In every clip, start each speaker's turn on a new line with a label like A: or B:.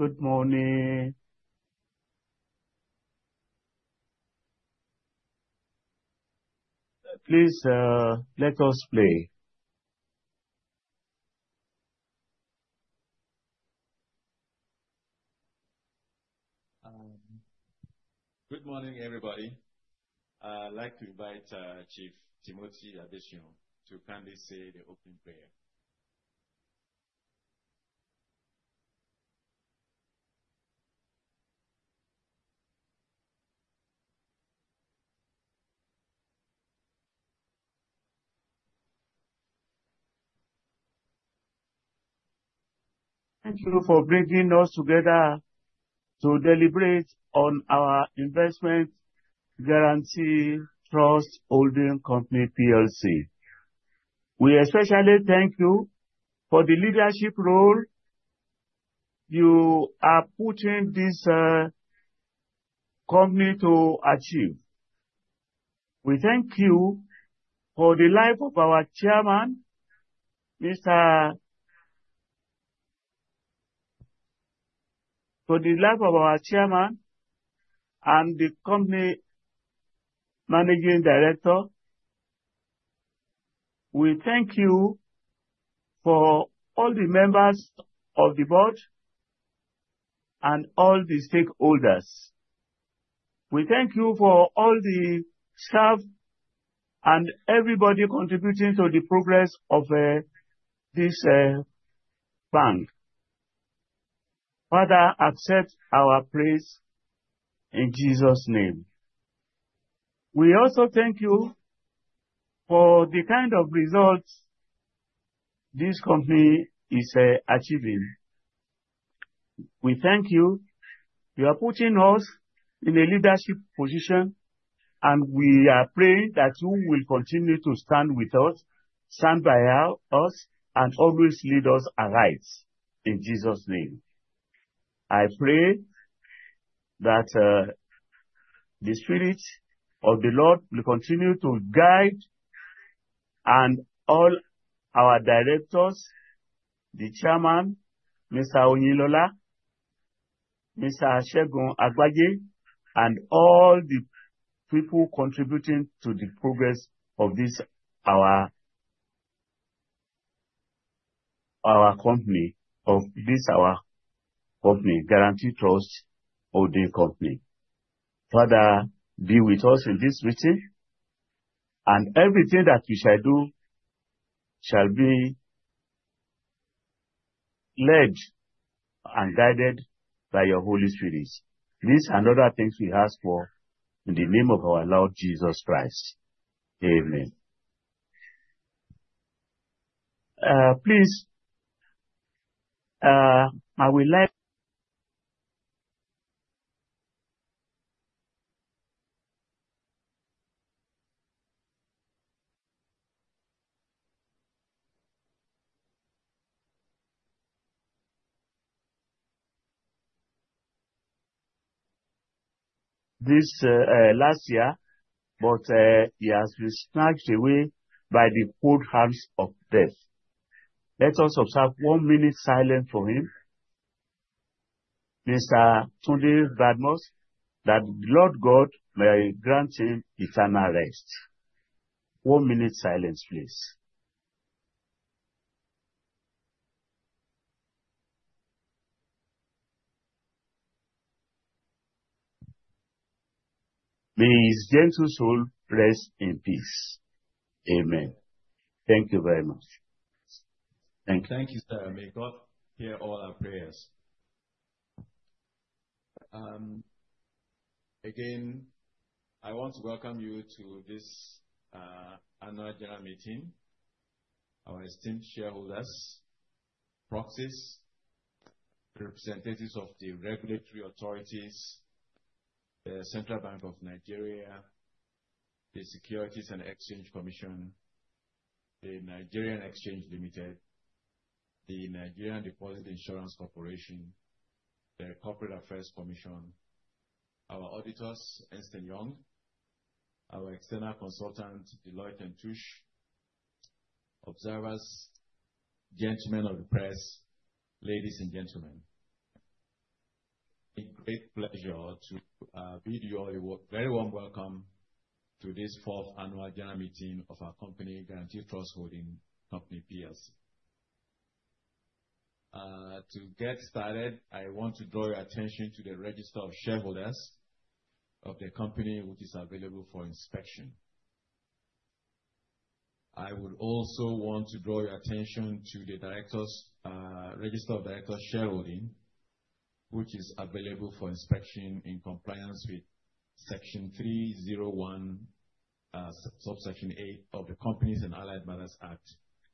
A: Good morning. Please, let us pray.
B: Good morning, everybody. I'd like to invite Chief Timothy Addison to kindly say the opening prayer.
A: Thank you for bringing us together to deliberate on our investment, Guaranty Trust Holding Company. We especially thank you for the leadership role you are putting this company to achieve. We thank you for the life of our chairman, for the life of our chairman and the company managing director. We thank you for all the members of the board and all the stakeholders. We thank you for all the staff and everybody contributing to the progress of this bank. Father, accept our praise in Jesus' name. We also thank you for the kind of results this company is achieving. We thank you. You are putting us in a leadership position, and we are praying that you will continue to stand with us, stand by us, and always lead us arise in Jesus' name. I pray that the Spirit of the Lord will continue to guide all our directors, the Chairman, Mr. Oyinlola, Mr. Segun Agbaje, and all the people contributing to the progress of this our company, Guaranty Trust Holding Company. Father, be with us in this meeting, and everything that we shall do shall be led and guided by your Holy Spirit. These are the other things we ask for in the name of our Lord Jesus Christ. Amen. Please, I would like—this, last year. He has been snatched away by the cold hands of death. Let us observe one minute silence for him, Mr. Tony Verbmousse, that the Lord God may grant him eternal rest. One minute silence, please. May his gentle soul rest in peace. Amen. Thank you very much. Thank you.
C: Thank you, sir. May God hear all our prayers. Again, I want to welcome you to this annual general meeting. Our esteemed shareholders, proxies, representatives of the regulatory authorities, the Central Bank of Nigeria, the Securities and Exchange Commission, the Nigerian Exchange Limited, the Nigerian Deposit Insurance Corporation, the Corporate Affairs Commission, our auditors, Ernst & Young, our external consultants, Deloitte & Touche, observers, gentlemen of the press, ladies and gentlemen. It's a great pleasure to bid you all a very warm welcome to this fourth annual general meeting of our company, Guaranty Trust Holding Company. To get started, I want to draw your attention to the register of shareholders of the company, which is available for inspection. I would also want to draw your attention to the directors, register of directors' shareholding, which is available for inspection in compliance with Section 301, Subsection 8 of the Companies and Allied Matters Act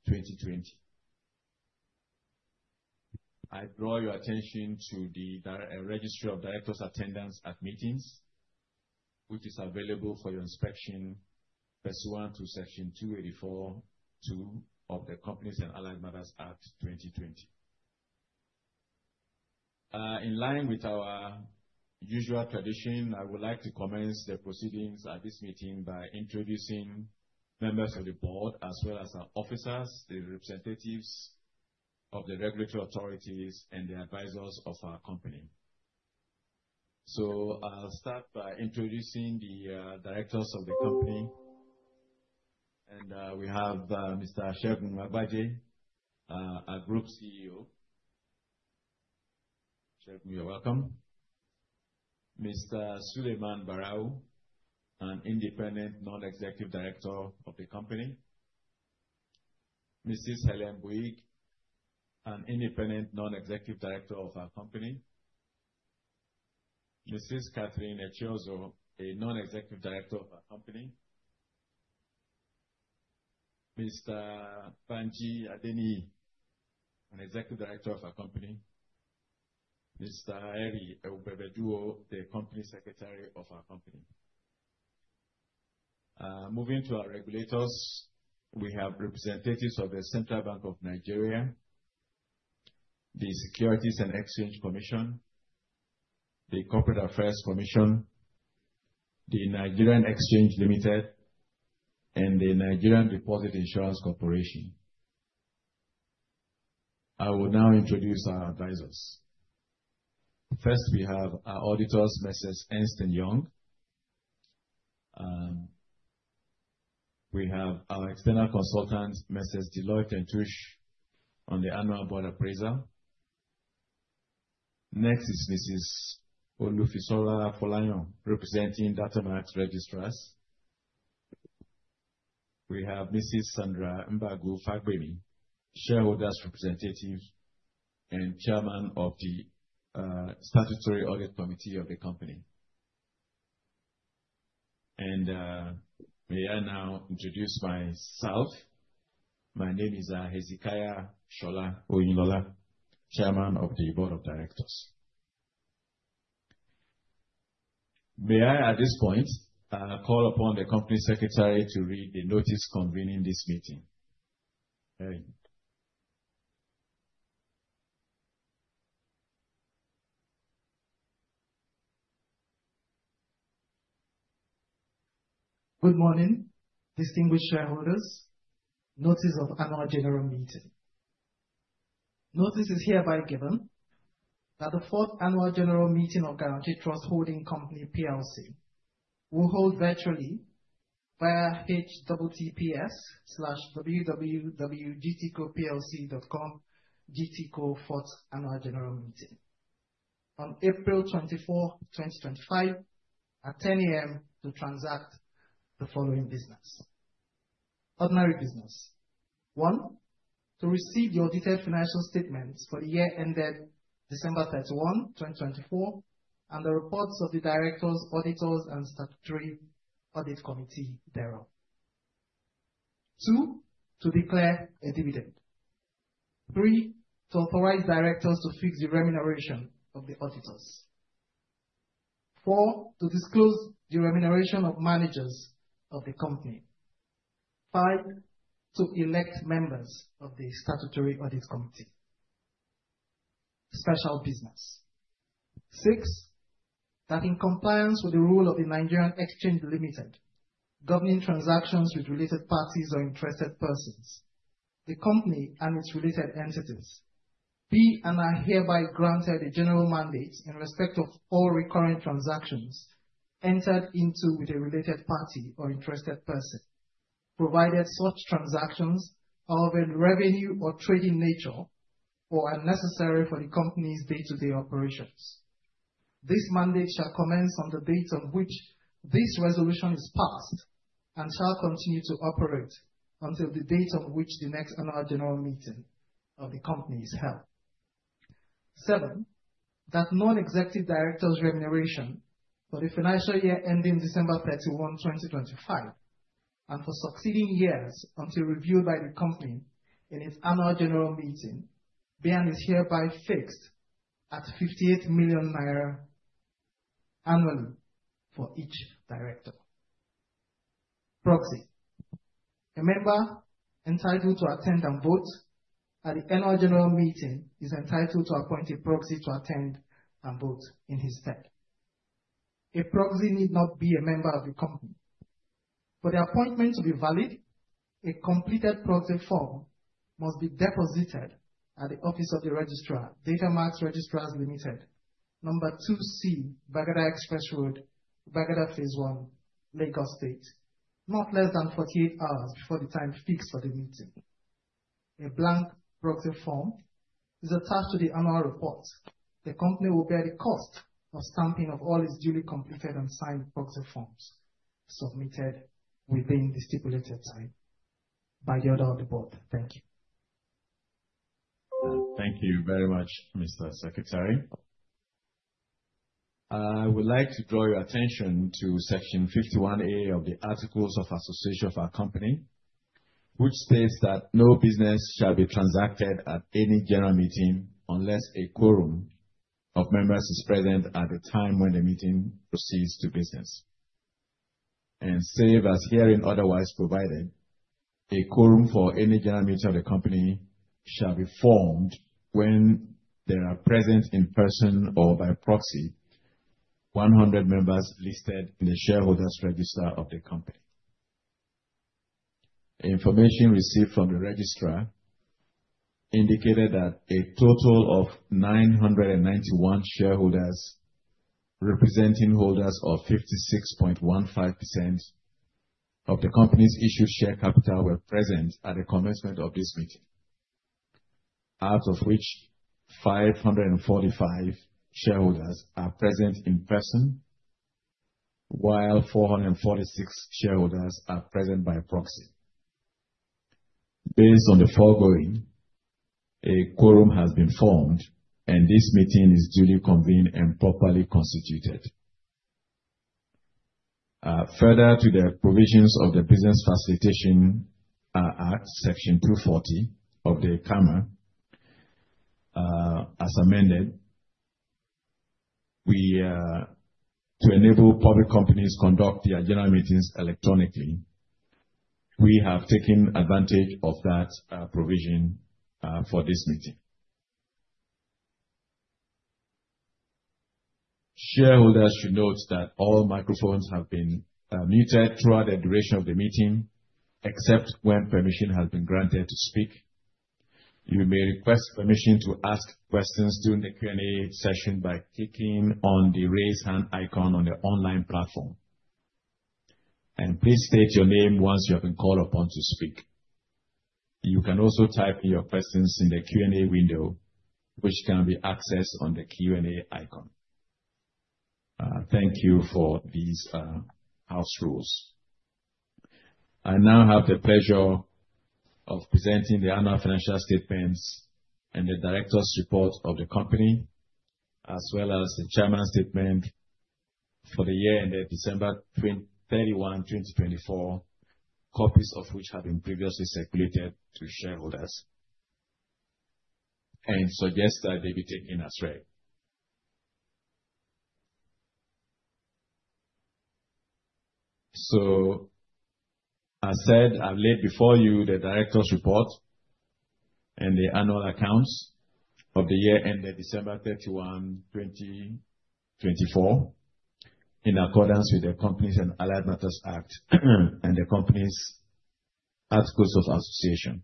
C: 2020. I draw your attention to the direct, registry of directors' attendance at meetings, which is available for your inspection, pursuant to Section 284(2) of the Companies and Allied Matters Act 2020. In line with our usual tradition, I would like to commence the proceedings at this meeting by introducing members of the board as well as our officers, the representatives of the regulatory authorities, and the advisors of our company. I will start by introducing the directors of the company. We have Mr. Segun Agbaje, our Group CEO. Segun, you're welcome. Mr. Suleiman Barau, an independent non-executive director of the company. Mrs. Hélène Bouygues, an independent non-executive director of our company. Mrs Katherine Echeozo, a non-executive director of our company. Mr. Adebanji Adeniyi, an executive director of our company. Mr. Eri Upebeduo, the Company Secretary of our company. Moving to our regulators, we have representatives of the Central Bank of Nigeria, the Securities and Exchange Commission, the Corporate Affairs Commission, the Nigerian Exchange Limited, and the Nigerian Deposit Insurance Corporation. I will now introduce our advisors. First, we have our auditors, Ernst & Young. We have our external consultants, Deloitte & Touche, on the annual board appraisal. Next is Olufisola Folaiono, representing Datamax Registrars Limited. We have Sandra Mbagwu Fagbemi, shareholders' representative and Chairperson of the Statutory Audit Committee of the company. May I now introduce myself? My name is Hezekiah Shola Onyilola, Chairman of the Board of Directors. May I, at this point, call upon the Company Secretary to read the notice convening this meeting? Eri.
D: Good morning, distinguished shareholders. Notice of annual general meeting. Notice is hereby given that the fourth annual general meeting of Guaranty Trust Holding Company will hold virtually via https://www.gtcoplc.com/gtco/fourth-annual-general-meeting on April 24, 2025, at 10:00 A.M., to transact the following business. Ordinary business. One, to receive the audited financial statements for the year ended December 31, 2024, and the reports of the directors, auditors, and Statutory Audit Committee thereof. Two, to declare a dividend. Three, to authorize directors to fix the remuneration of the auditors. Four, to disclose the remuneration of managers of the company. Five, to elect members of the Statutory Audit Committee. Special business. Six, that in compliance with the rule of the Nigerian Exchange Limited, governing transactions with related parties or interested persons, the company and its related entities, be and are hereby granted a general mandate in respect of all recurring transactions entered into with a related party or interested person, provided such transactions are of a revenue or trading nature or are necessary for the company's day-to-day operations. This mandate shall commence on the date on which this resolution is passed and shall continue to operate until the date on which the next annual general meeting of the company is held. Seven, that non-executive directors' remuneration for the financial year ending December 31st, 2025, and for succeeding years until reviewed by the company in its annual general meeting, be and is hereby fixed at 58 million naira annually for each director. Proxy. A member entitled to attend and vote at the annual general meeting is entitled to appoint a proxy to attend and vote in his stead. A proxy need not be a member of the company. For the appointment to be valid, a completed proxy form must be deposited at the office of the registrar, Datamax Registrars Limited, number 2C, Baghdad Express Road, Baghdad Phase 1, Lagos State, not less than 48 hours before the time fixed for the meeting. A blank proxy form is attached to the annual report. The company will bear the cost of stamping of all its duly completed and signed proxy forms submitted within the stipulated time by the order of the board. Thank you.
C: Thank you very much, Mr. Secretary. I would like to draw your attention to Section 51A of the Articles of Association of our company, which states that no business shall be transacted at any general meeting unless a quorum of members is present at the time when the meeting proceeds to business. Save as herein otherwise provided, a quorum for any general meeting of the company shall be formed when there are present in person or by proxy 100 members listed in the shareholders' register of the company. Information received from the registrar indicated that a total of 991 shareholders representing holders of 56.15% of the company's issued share capital were present at the commencement of this meeting, out of which 545 shareholders are present in person while 446 shareholders are present by proxy. Based on the foregoing, a quorum has been formed, and this meeting is duly convened and properly constituted. Further to the provisions of the Business Facilitation Act, Section 240 of the CAMA, as amended, to enable public companies to conduct their general meetings electronically, we have taken advantage of that provision for this meeting. Shareholders should note that all microphones have been muted throughout the duration of the meeting except when permission has been granted to speak. You may request permission to ask questions during the Q&A session by clicking on the raise hand icon on the online platform. Please state your name once you have been called upon to speak. You can also type in your questions in the Q&A window, which can be accessed on the Q&A icon. Thank you for these house rules. I now have the pleasure of presenting the annual financial statements and the directors' report of the company, as well as the Chairman's statement for the year ended December 31, 2024, copies of which have been previously circulated to shareholders and suggest that they be taken as read. As said, I've laid before you the directors' report and the annual accounts of the year ended December 31, 2024, in accordance with the Companies and Allied Matters Act and the company's Articles of Association.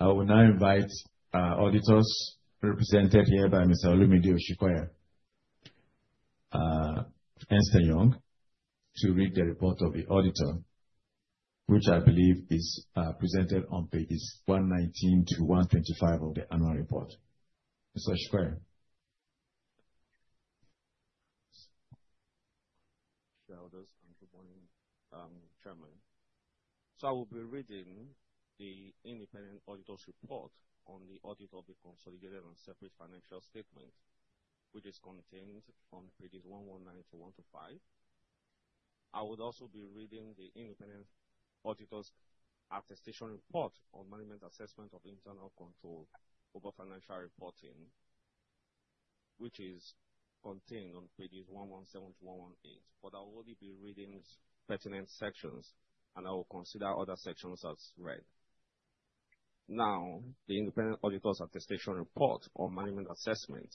C: I will now invite auditors represented here by Mr. Olumide Oshikoya, Ernst & Young, to read the report of the auditor, which I believe is presented on pages 119-125 of the annual report. Mr. Oshikoya.
E: Shareholders, and good morning, Chairman. I will be reading the independent auditor's report on the audit of the Consolidated and Separate Financial Statement, which is contained on pages 119-125. I would also be reading the independent auditor's attestation report on management assessment of internal control over financial reporting, which is contained on pages 117-118. I will only be reading its pertinent sections, and I will consider other sections as read. Now, the independent auditor's attestation report on management assessment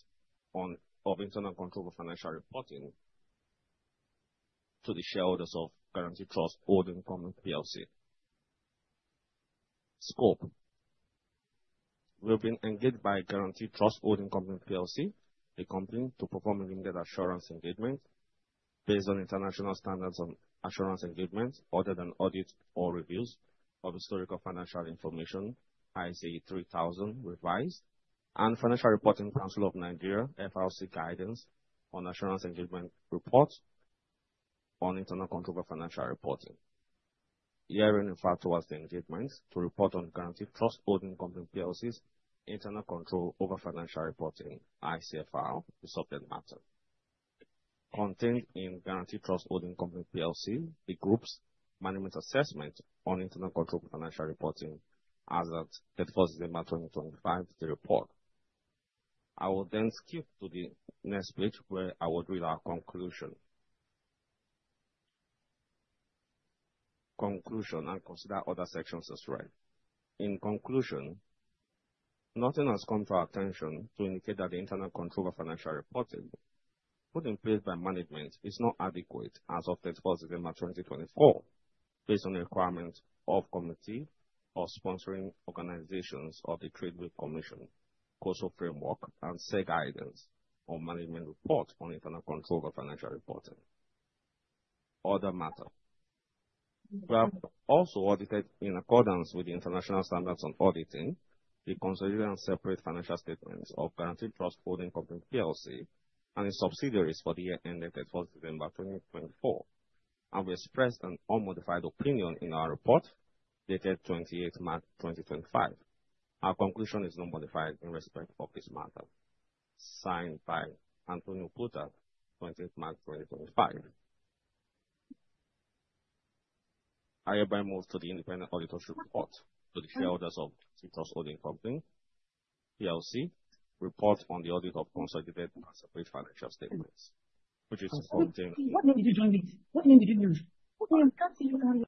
E: of internal control over financial reporting to the shareholders of Guaranty Trust Holding Company Plc. Scope. We've been engaged by Guaranty Trust Holding Company, the company, to perform an independent assurance engagement based on international standards on assurance engagement, audit and audit or reviews of historical financial information, ISA 3000 revised, and Financial Reporting Council of Nigeria FRC guidance on assurance engagement reports on internal control of financial reporting. Year, in fact, towards the engagement to report on Guaranty Trust Holding Company's internal control over financial reporting, ICFR, the subject matter. Contained in Guaranty Trust Holding Company, the group's management assessment on internal control of financial reporting as at December 2025, the report. I will then skip to the next page where I will read our conclusion. Conclusion and consider other sections as read. In conclusion, nothing has come to our attention to indicate that the internal control of financial reporting put in place by management is not adequate as of 31st of December 2024, based on the requirement of Committee of Sponsoring Organizations of the Trade Group Commission, COSO framework, and SEI guidance on management report on internal control of financial reporting. Other matter. We have also audited in accordance with the International Standards on Auditing the Consolidated and Separate Financial Statements of Guaranty Trust Holding Company and its subsidiaries for the year ended 31st of December 2024, and we expressed an unmodified opinion in our report dated 28 March 2025. Our conclusion is not modified in respect of this matter. Signed by Antonio Puta, 28 March 2025. I hereby move to the independent auditor's report to the shareholders of Guaranty Trust Holding Company Plc report on the audit of Consolidated and Separate Financial Statements, which is contained in.
D: What name did you join me? What name did you join? What name? What's your name?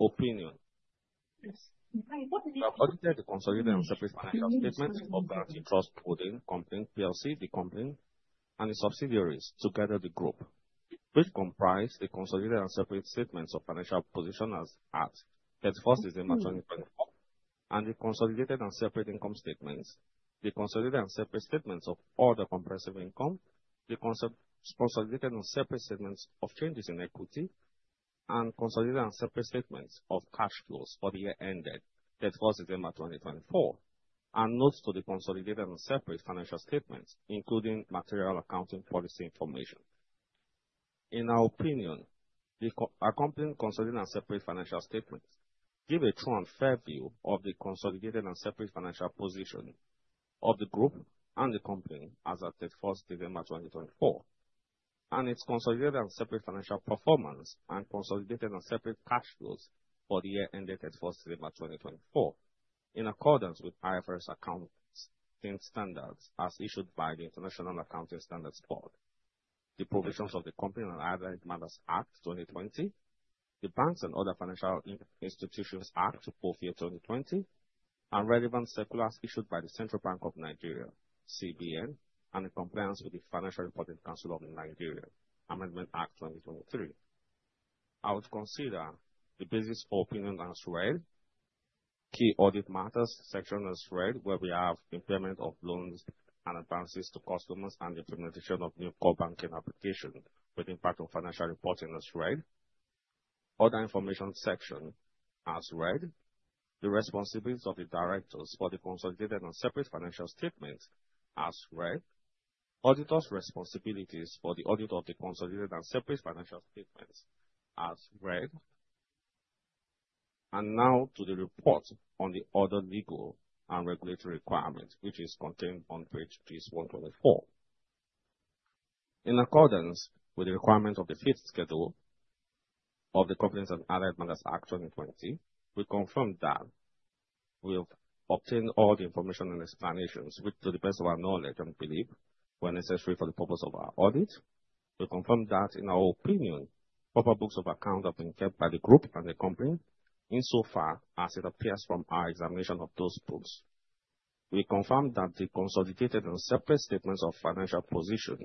E: Opinion.
D: Yes. What name?
E: I've audited the Consolidated and Separate Financial Statements of Guaranty Trust Holding Company, the company, and its subsidiaries together the group, which comprise the Consolidated and Separate Statements of Financial Position as at 31st of December 2024, and the Consolidated and Separate Income Statements, the Consolidated and Separate Statements of all the comprehensive income, the Consolidated and Separate Statements of Changes in Equity, and Consolidated and Separate Statements of Cash Flows for the year ended 31st of December 2024, and notes to the Consolidated and Separate Financial Statements, including material accounting policy information. In our opinion, the accompanying Consolidated and Separate Financial Statements give a true and fair view of the Consolidated and Separate Financial Position of the group and the company as at 31st of December 2024, and its Consolidated and Separate Financial Performance and Consolidated and Separate Cash Flows for the year ended 31st of December 2024, in accordance with IFRS accounting standards as issued by the International Accounting Standards Board, the provisions of the Companies and Allied Matters Act 2020, the Banks and Other Financial Institutions Act 2020, and relevant circulars issued by the Central Bank of Nigeria (CBN) and in compliance with the Financial Reporting Council of Nigeria Amendment Act 2023. I would consider the business opinion as read. Key audit matters section as read, where we have impairment of loans and advances to customers and implementation of new core banking application with impact on financial reporting as read. Other information section as read. The responsibilities of the directors for the Consolidated and Separate Financial Statements as read. Auditors' responsibilities for the audit of the Consolidated and Separate Financial Statements as read. Now to the report on the other legal and regulatory requirement, which is contained on page 3124. In accordance with the requirement of the fifth schedule of the Companies and Allied Matters Act 2020, we confirm that we have obtained all the information and explanations which, to the best of our knowledge and belief, were necessary for the purpose of our audit. We confirm that, in our opinion, proper books of account have been kept by the group and the company insofar as it appears from our examination of those books. We confirm that the Consolidated and Separate Statements of Financial Position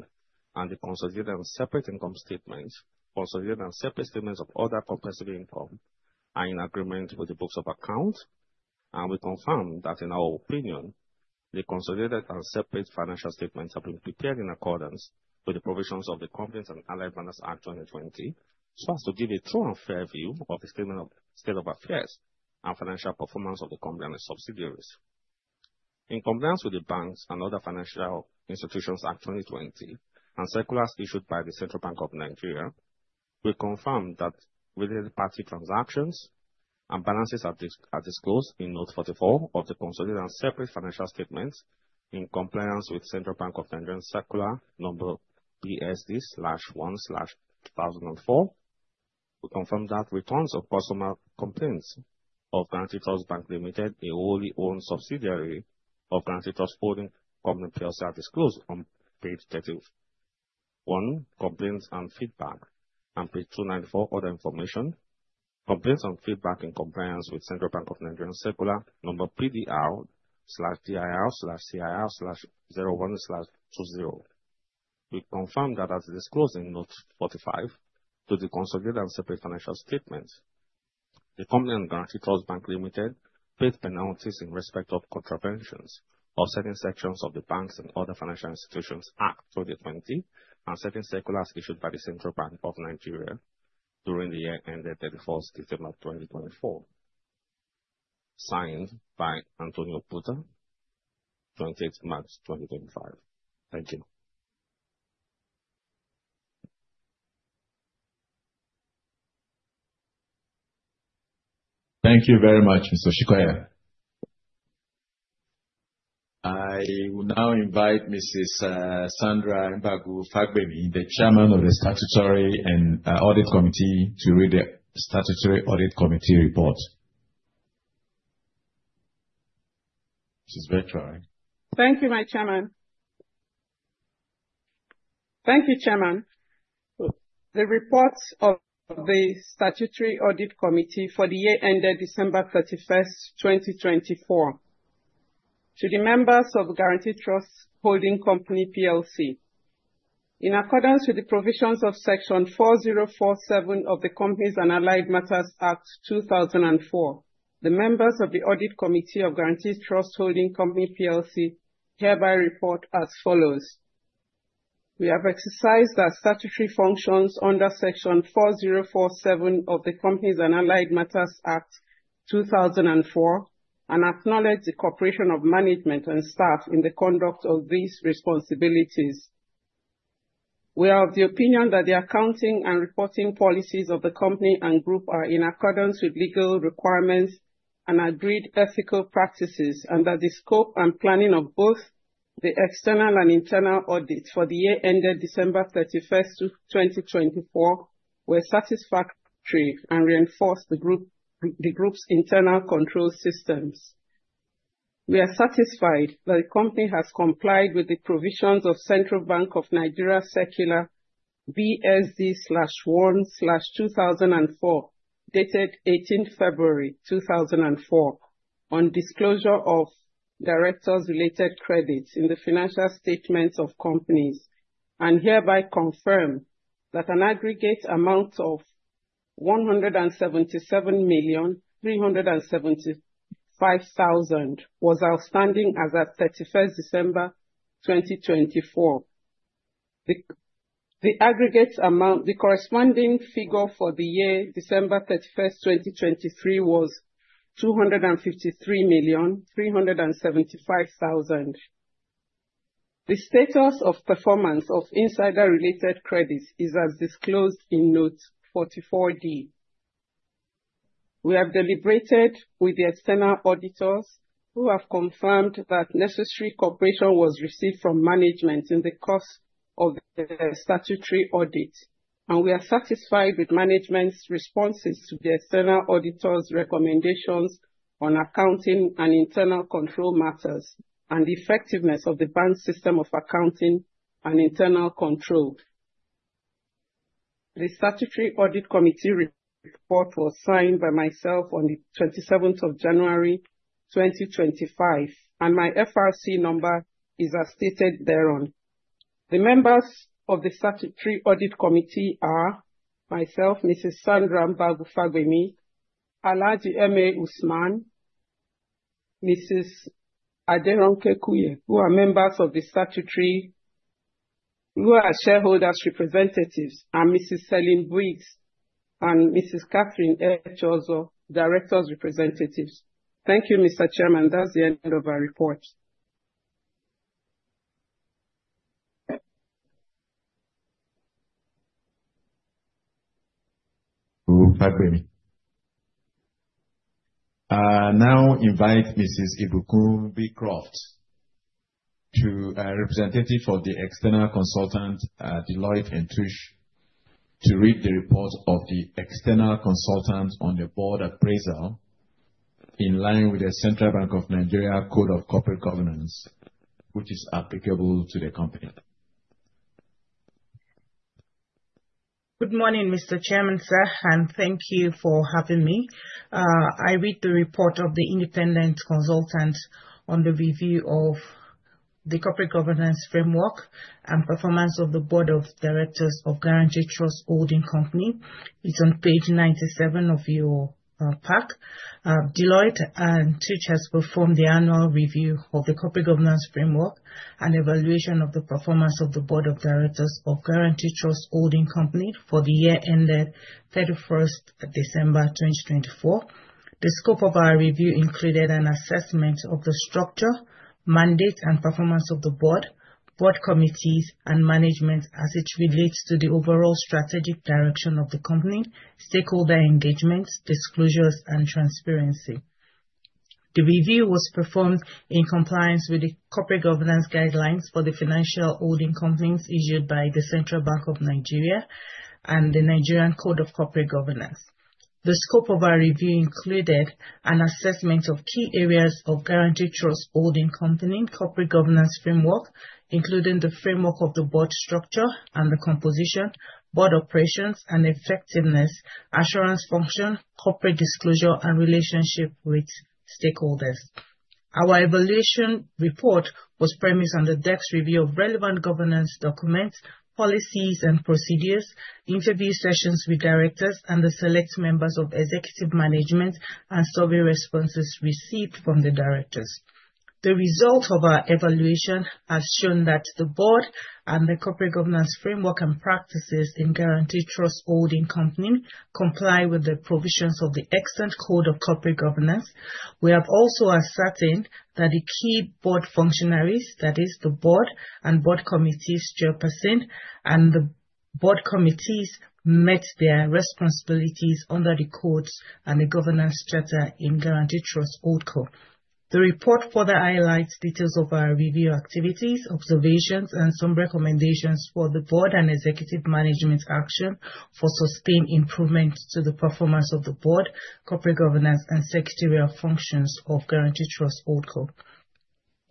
E: and the Consolidated and Separate Income Statements, Consolidated and Separate Statements of other comprehensive income are in agreement with the books of account, and we confirm that, in our opinion, the Consolidated and Separate Financial Statements have been prepared in accordance with the provisions of the Companies and Allied Matters Act 2020, so as to give a true and fair view of the state of affairs and financial performance of the company and its subsidiaries. In compliance with the Banks and Other Financial Institutions Act 2020 and circulars issued by the Central Bank of Nigeria, we confirm that related party transactions and balances are disclosed in note 44 of the Consolidated and Separate Financial Statements in compliance with Central Bank of Nigeria Circular number BSD/1/2004. We confirm that returns of customer complaints of Guaranty Trust Bank Limited, a wholly owned subsidiary of Guaranty Trust Holding Company, are disclosed on page 31, complaints and feedback, and page 294, other information, complaints and feedback in compliance with Central Bank of Nigeria Circular number PDR/DIR/CIR/01/20. We confirm that, as disclosed in note 45, to the Consolidated and Separate Financial Statements, the company and Guaranty Trust Bank Limited paid penalties in respect of contraventions of certain sections of the Banks and Other Financial Institutions Act 2020 and certain circulars issued by the Central Bank of Nigeria during the year ended 31st of December 2024, signed by Antonio Puta, 28 March 2025. Thank you.
A: Thank you very much, Mr. Oshikoya. I will now invite Mrs. Sandra Mbagwu Fagbemi, the Chairperson of the Statutory Audit Committee, to read the Statutory Audit Committee report. Mrs. Vertra.
F: Thank you, my chairman. Thank you, chairman. The report of the Statutory Audit Committee for the year ended December 31st, 2024, to the members of Guaranty Trust Holding Company. In accordance with the provisions of section 4047 of the Companies and Allied Matters Act 2004, the members of the Audit Committee of Guaranty Trust Holding Company hereby report as follows. We have exercised our statutory functions under section 4047 of the Companies and Allied Matters Act 2004 and acknowledge the cooperation of management and staff in the conduct of these responsibilities. We are of the opinion that the accounting and reporting policies of the company and group are in accordance with legal requirements and agreed ethical practices and that the scope and planning of both the external and internal audits for the year ended December 31st, 2024, were satisfactory and reinforced the group's internal control systems. We are satisfied that the company has complied with the provisions of Central Bank of Nigeria Circular BSD/1/2004, dated 18 February 2004, on disclosure of directors-related credits in the financial statements of companies, and hereby confirm that an aggregate amount of 177,375,000 was outstanding as of 31st December 2024. The aggregate amount, the corresponding figure for the year December 31st, 2023, was 253,375,000. The status of performance of insider-related credits is as disclosed in note 44D. We have deliberated with the external auditors who have confirmed that necessary cooperation was received from management in the course of the statutory audit, and we are satisfied with management's responses to the external auditors' recommendations on accounting and internal control matters and the effectiveness of the bank's system of accounting and internal control. The Statutory Audit Committee report was signed by myself on the 27th of January 2025, and my FRC number is as stated thereon. The members of the Statutory Audit Committee are myself, Mrs. Sandra Mbagwu Fagbemi, Aladji Eme Ousmane, Mrs. Aderonke Kuye, who are shareholders' representatives, and Mrs. Celine Briggs and Mrs. Katherine Echeozo, directors' representatives. Thank you, Mr. Chairman. That's the end of our report.
A: Now, invite Mrs. Ibukunbi Croft, representative for the external consultant, Deloitte & Touche, to read the report of the external consultant on the board appraisal in line with the Central Bank of Nigeria Code of Corporate Governance, which is applicable to the company.
G: Good morning, Mr. Chairman, sir, and thank you for having me. I read the report of the independent consultant on the review of the Corporate Governance Framework and performance of the Board of Directors of Guaranty Trust Holding Company. It's on page 97 of your pack. Deloitte & Touche has performed the annual review of the Corporate Governance Framework and evaluation of the performance of the Board of Directors of Guaranty Trust Holding Company for the year ended 31st of December 2024. The scope of our review included an assessment of the structure, mandates, and performance of the board, board committees, and management as it relates to the overall strategic direction of the company, stakeholder engagements, disclosures, and transparency. The review was performed in compliance with the Corporate Governance Guidelines for the Financial Holding Companies issued by the Central Bank of Nigeria and the Nigerian Code of Corporate Governance. The scope of our review included an assessment of key areas of Guaranty Trust Holding Company Corporate Governance Framework, including the framework of the board structure and the composition, board operations and effectiveness, assurance function, corporate disclosure, and relationship with stakeholders. Our evaluation report was premised on the depth review of relevant governance documents, policies and procedures, interview sessions with directors, and the select members of executive management and survey responses received from the directors. The result of our evaluation has shown that the board and the Corporate Governance Framework and practices in Guaranty Trust Holding Company comply with the provisions of the extant Code of Corporate Governance. We have also ascertained that the key board functionaries, that is, the board and board committees still percent, and the board committees met their responsibilities under the codes and the governance structure in Guaranty Trust Holdco. The report further highlights details of our review activities, observations, and some recommendations for the board and executive management action for sustained improvement to the performance of the board, corporate governance, and secretarial functions of Guaranty Trust Holding Company.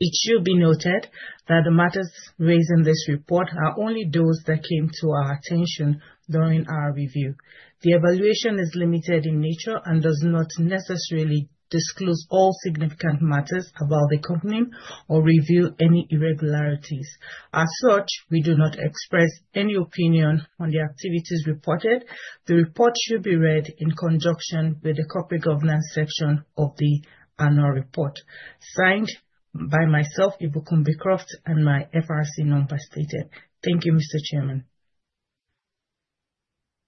G: It should be noted that the matters raised in this report are only those that came to our attention during our review. The evaluation is limited in nature and does not necessarily disclose all significant matters about the company or reveal any irregularities. As such, we do not express any opinion on the activities reported. The report should be read in conjunction with the Corporate Governance section of the annual report, signed by myself, Ibukunbi Croft, and my FRC number stated. Thank you, Mr. Chairman.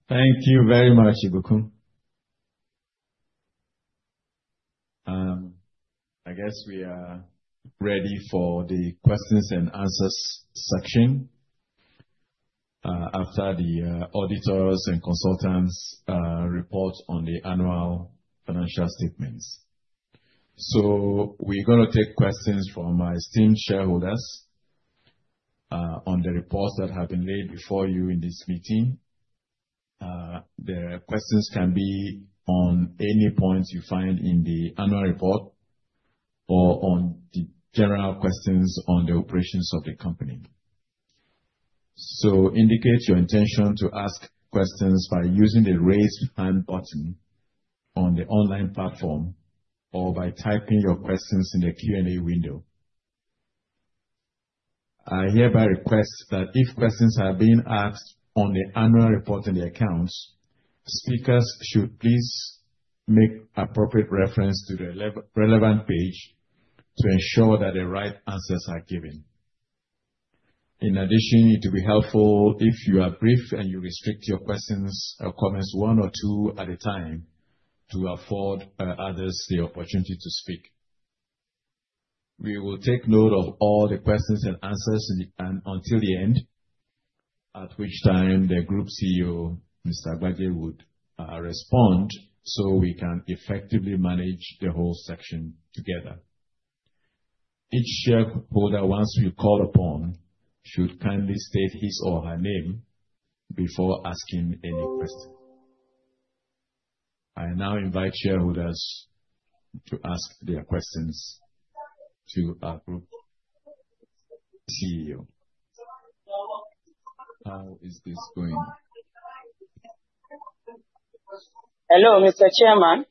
A: Thank you very much, Ibukun. I guess we are ready for the questions and answers section after the auditors' and consultants' report on the annual financial statements. We are going to take questions from my esteemed shareholders on the reports that have been laid before you in this meeting. The questions can be on any points you find in the annual report or on the general questions on the operations of the company. Indicate your intention to ask questions by using the raised hand button on the online platform or by typing your questions in the Q&A window. I hereby request that if questions are being asked on the annual report in the accounts, speakers should please make appropriate reference to the relevant page to ensure that the right answers are given. In addition, it will be helpful if you are brief and you restrict your questions or comments one or two at a time to afford others the opportunity to speak. We will take note of all the questions and answers until the end, at which time the Group CEO, Mr. Agbaje, would respond so we can effectively manage the whole section together. Each shareholder, once we call upon, should kindly state his or her name before asking any question. I now invite shareholders to ask their questions to our Group CEO. How is this going?
H: Hello, Mr. Chairman.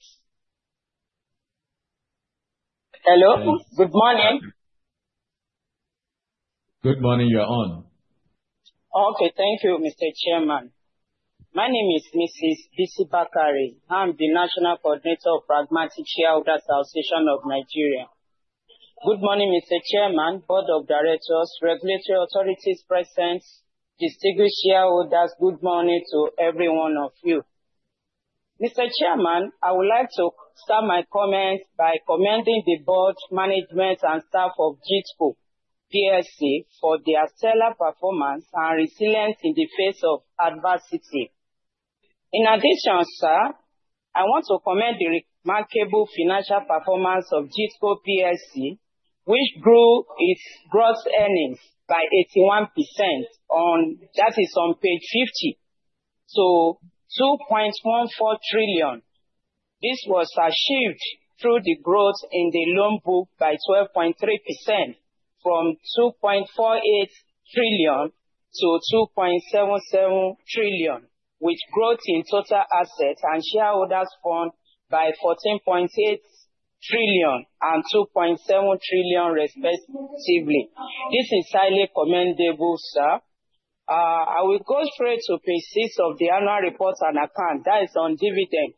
H: Hello. Good morning.
A: Good morning. You're on.
H: Okay. Thank you, Mr. Chairman. My name is Bisi Bakare. I'm the National Coordinator of Pragmatic Shareholders Association of Nigeria. Good morning, Mr. Chairman, Board of Directors, Regulatory Authorities present, distinguished shareholders. Good morning to every one of you. Mr. Chairman, I would like to start my comments by commending the board, management, and staff of Guaranty Trust Holding Company for their stellar performance and resilience in the face of adversity. In addition, sir, I want to commend the remarkable financial performance of Guaranty Trust Holding Company, which grew its gross earnings by 81%. That is on page 50, so 2.14 trillion. This was achieved through the growth in the loan book by 12.3% from 2.48 trillion to 2.77 trillion, with growth in total assets and shareholders' fund by 14.8 trillion and 2.7 trillion respectively. This is highly commendable, sir. I will go straight to page 6 of the annual report and account. That is on dividend.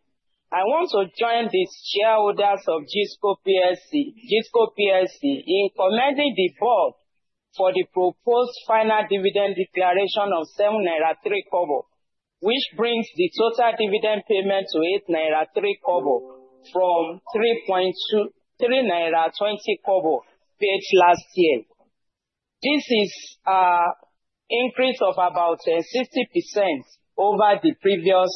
H: I want to join these shareholders of Guaranty Trust Holding Company in commending the board for the proposed final dividend declaration of 0.0793 naira, which brings the total dividend payment to NGN 0.0893 from 0.0320 naira paid last year. This is an increase of about 60% over the previous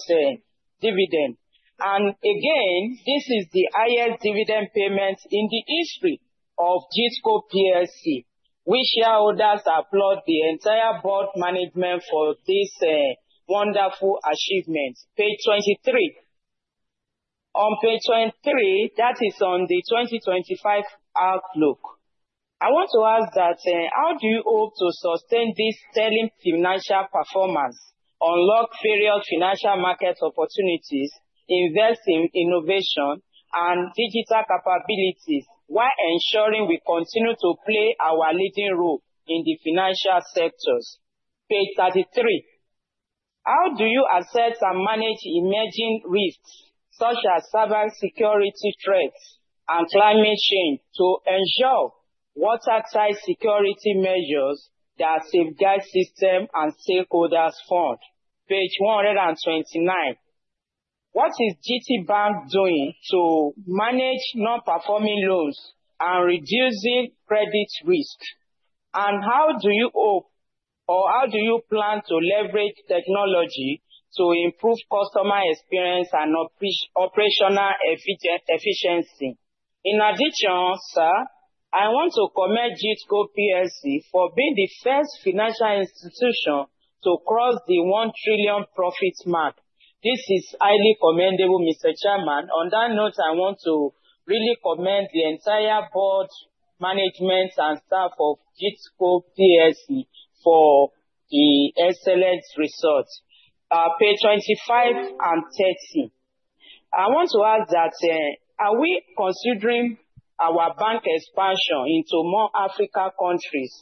H: dividend. This is the highest dividend payment in the history of Guaranty Trust Holding Company. We shareholders applaud the entire board management for this wonderful achievement. Page 23. On page 23, that is on the 2025 outlook. I want to ask that, how do you hope to sustain this stellar financial performance, unlock period financial market opportunities, invest in innovation and digital capabilities while ensuring we continue to play our leading role in the financial sectors? Page 33. How do you assess and manage emerging risks such as cyber security threats and climate change to ensure watertight security measures that safeguard systems and stakeholders' fund? Page 129. What is GTCO doing to manage non-performing loans and reduce credit risk? How do you hope or how do you plan to leverage technology to improve customer experience and operational efficiency? In addition, sir, I want to commend GTCO for being the first financial institution to cross the 1 trillion profit mark. This is highly commendable, Mr. Chairman. On that note, I want to really commend the entire board, management, and staff of GTCO for the excellent results. Page 25 and 30. I want to ask that, are we considering our bank expansion into more African countries,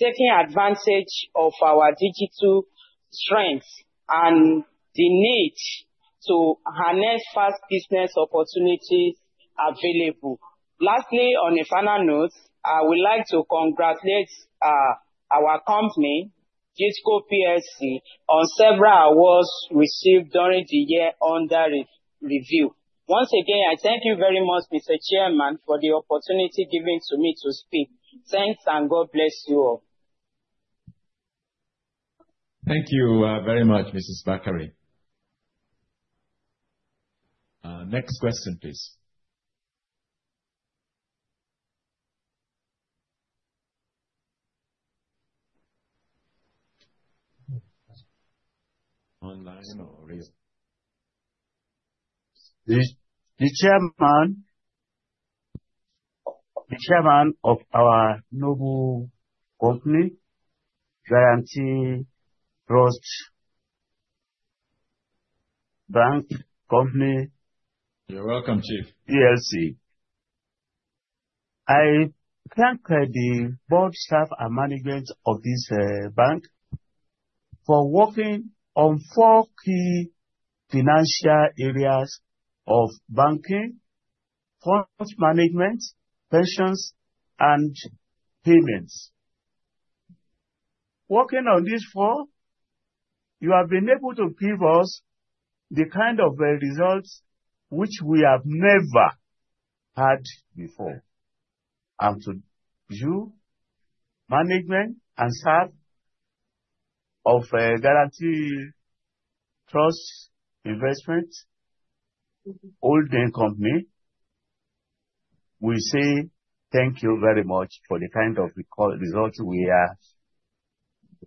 H: taking advantage of our digital strengths and the need to harness fast business opportunities available? Lastly, on a final note, I would like to congratulate our company, Guaranty Trust Holding Company, on several awards received during the year under review. Once again, I thank you very much, Mr. Chairman, for the opportunity given to me to speak. Thanks, and God bless you all.
A: Thank you very much, Mrs. Bakare. Next question, please. Online or real? The Chairman of our noble company, Guaranty Trust Holding Company. You're welcome, Chief. PSC. I thank the board, staff, and management of this bank for working on four key financial areas of banking, funds management, pensions, and payments. Working on these four, you have been able to give us the kind of results which we have never had before. To you, management and staff of Guaranty Trust Holding Company, we say thank you very much for the kind of results we are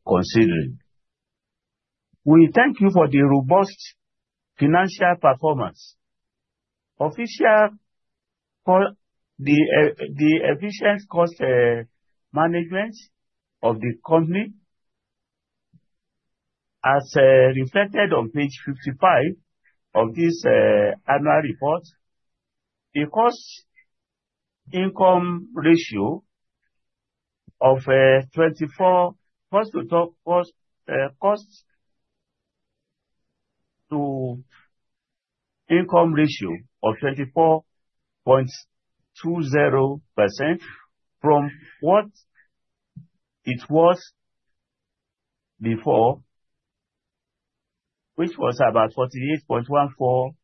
A: considering. We thank you for the robust financial performance, the efficient cost management of the company, as reflected on page 55 of this annual report, the cost-income ratio of 24, cost-to-income ratio of 24.20% from what it was before, which was about 48.14%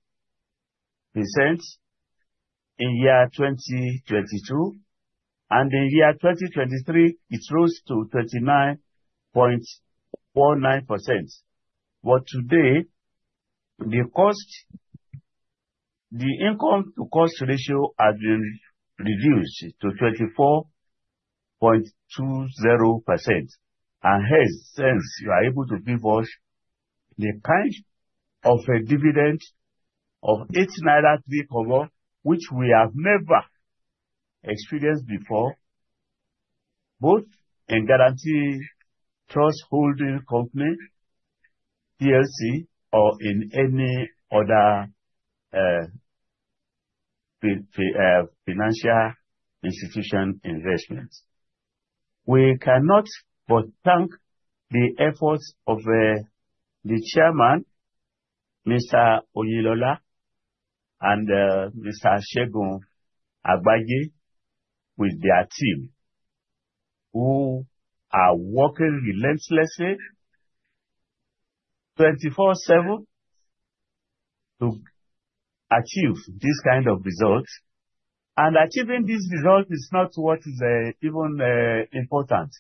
A: in year 2022. In year 2023, it rose to 39.49%. Today, the income-to-cost ratio has been reduced to 24.20%. Hence, you are able to give us the kind of dividend of 0.0893 naira, which we have never experienced before, both in Guaranty Trust Holding Company or in any other financial institution investments. We cannot but thank the efforts of the Chairman, Mr. Oyinlola, and Mr. Segun Agbaje, with their team, who are working relentlessly 24/7 to achieve this kind of result. Achieving this result is not what is even important,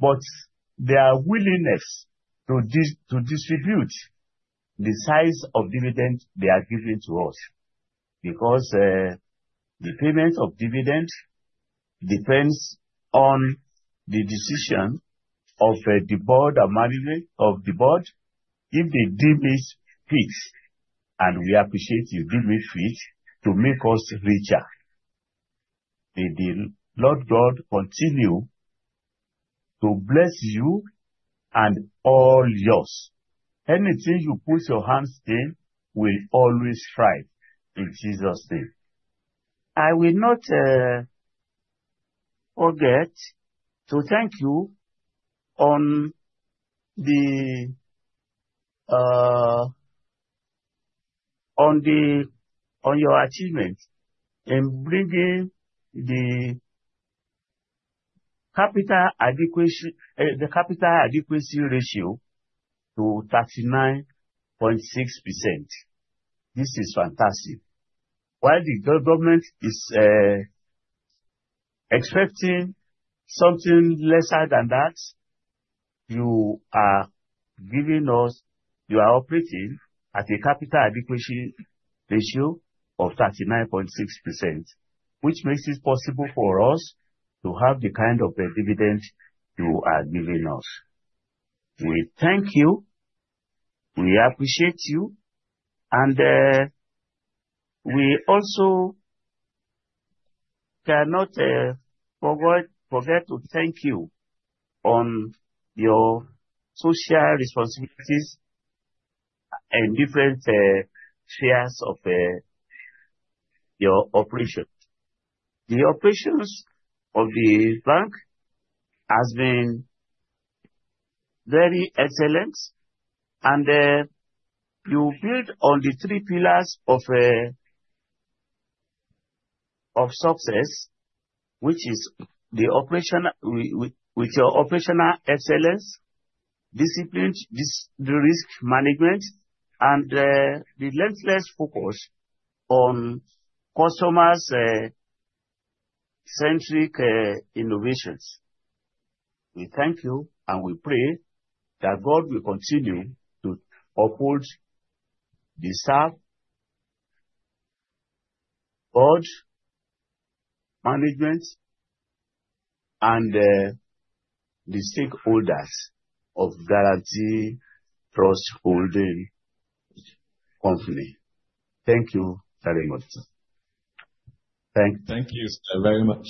A: but their willingness to distribute the size of dividend they are giving to us. The payment of dividend depends on the decision of the board and management of the board if they deem it fit. We appreciate you deem it fit to make us richer. May the Lord God continue to bless you and all yours. Anything you put your hands in will always thrive in Jesus' name. I will not forget to thank you on your achievement in bringing the capital adequacy ratio to 39.6%. This is fantastic. While the government is expecting something lesser than that, you are operating at a capital adequacy ratio of 39.6%, which makes it possible for us to have the kind of dividend you are giving us. We thank you. We appreciate you. We also cannot forget to thank you on your social responsibilities and different shares of your operations. The operations of the bank have been very excellent. You build on the three pillars of success, which is your operational excellence, discipline, risk management, and the relentless focus on customer-centric innovations. We thank you, and we pray that God will continue to uphold the staff, board, management, and the stakeholders of Guaranty Trust Holding Company. Thank you very much. Thank you. Thank you, sir, very much.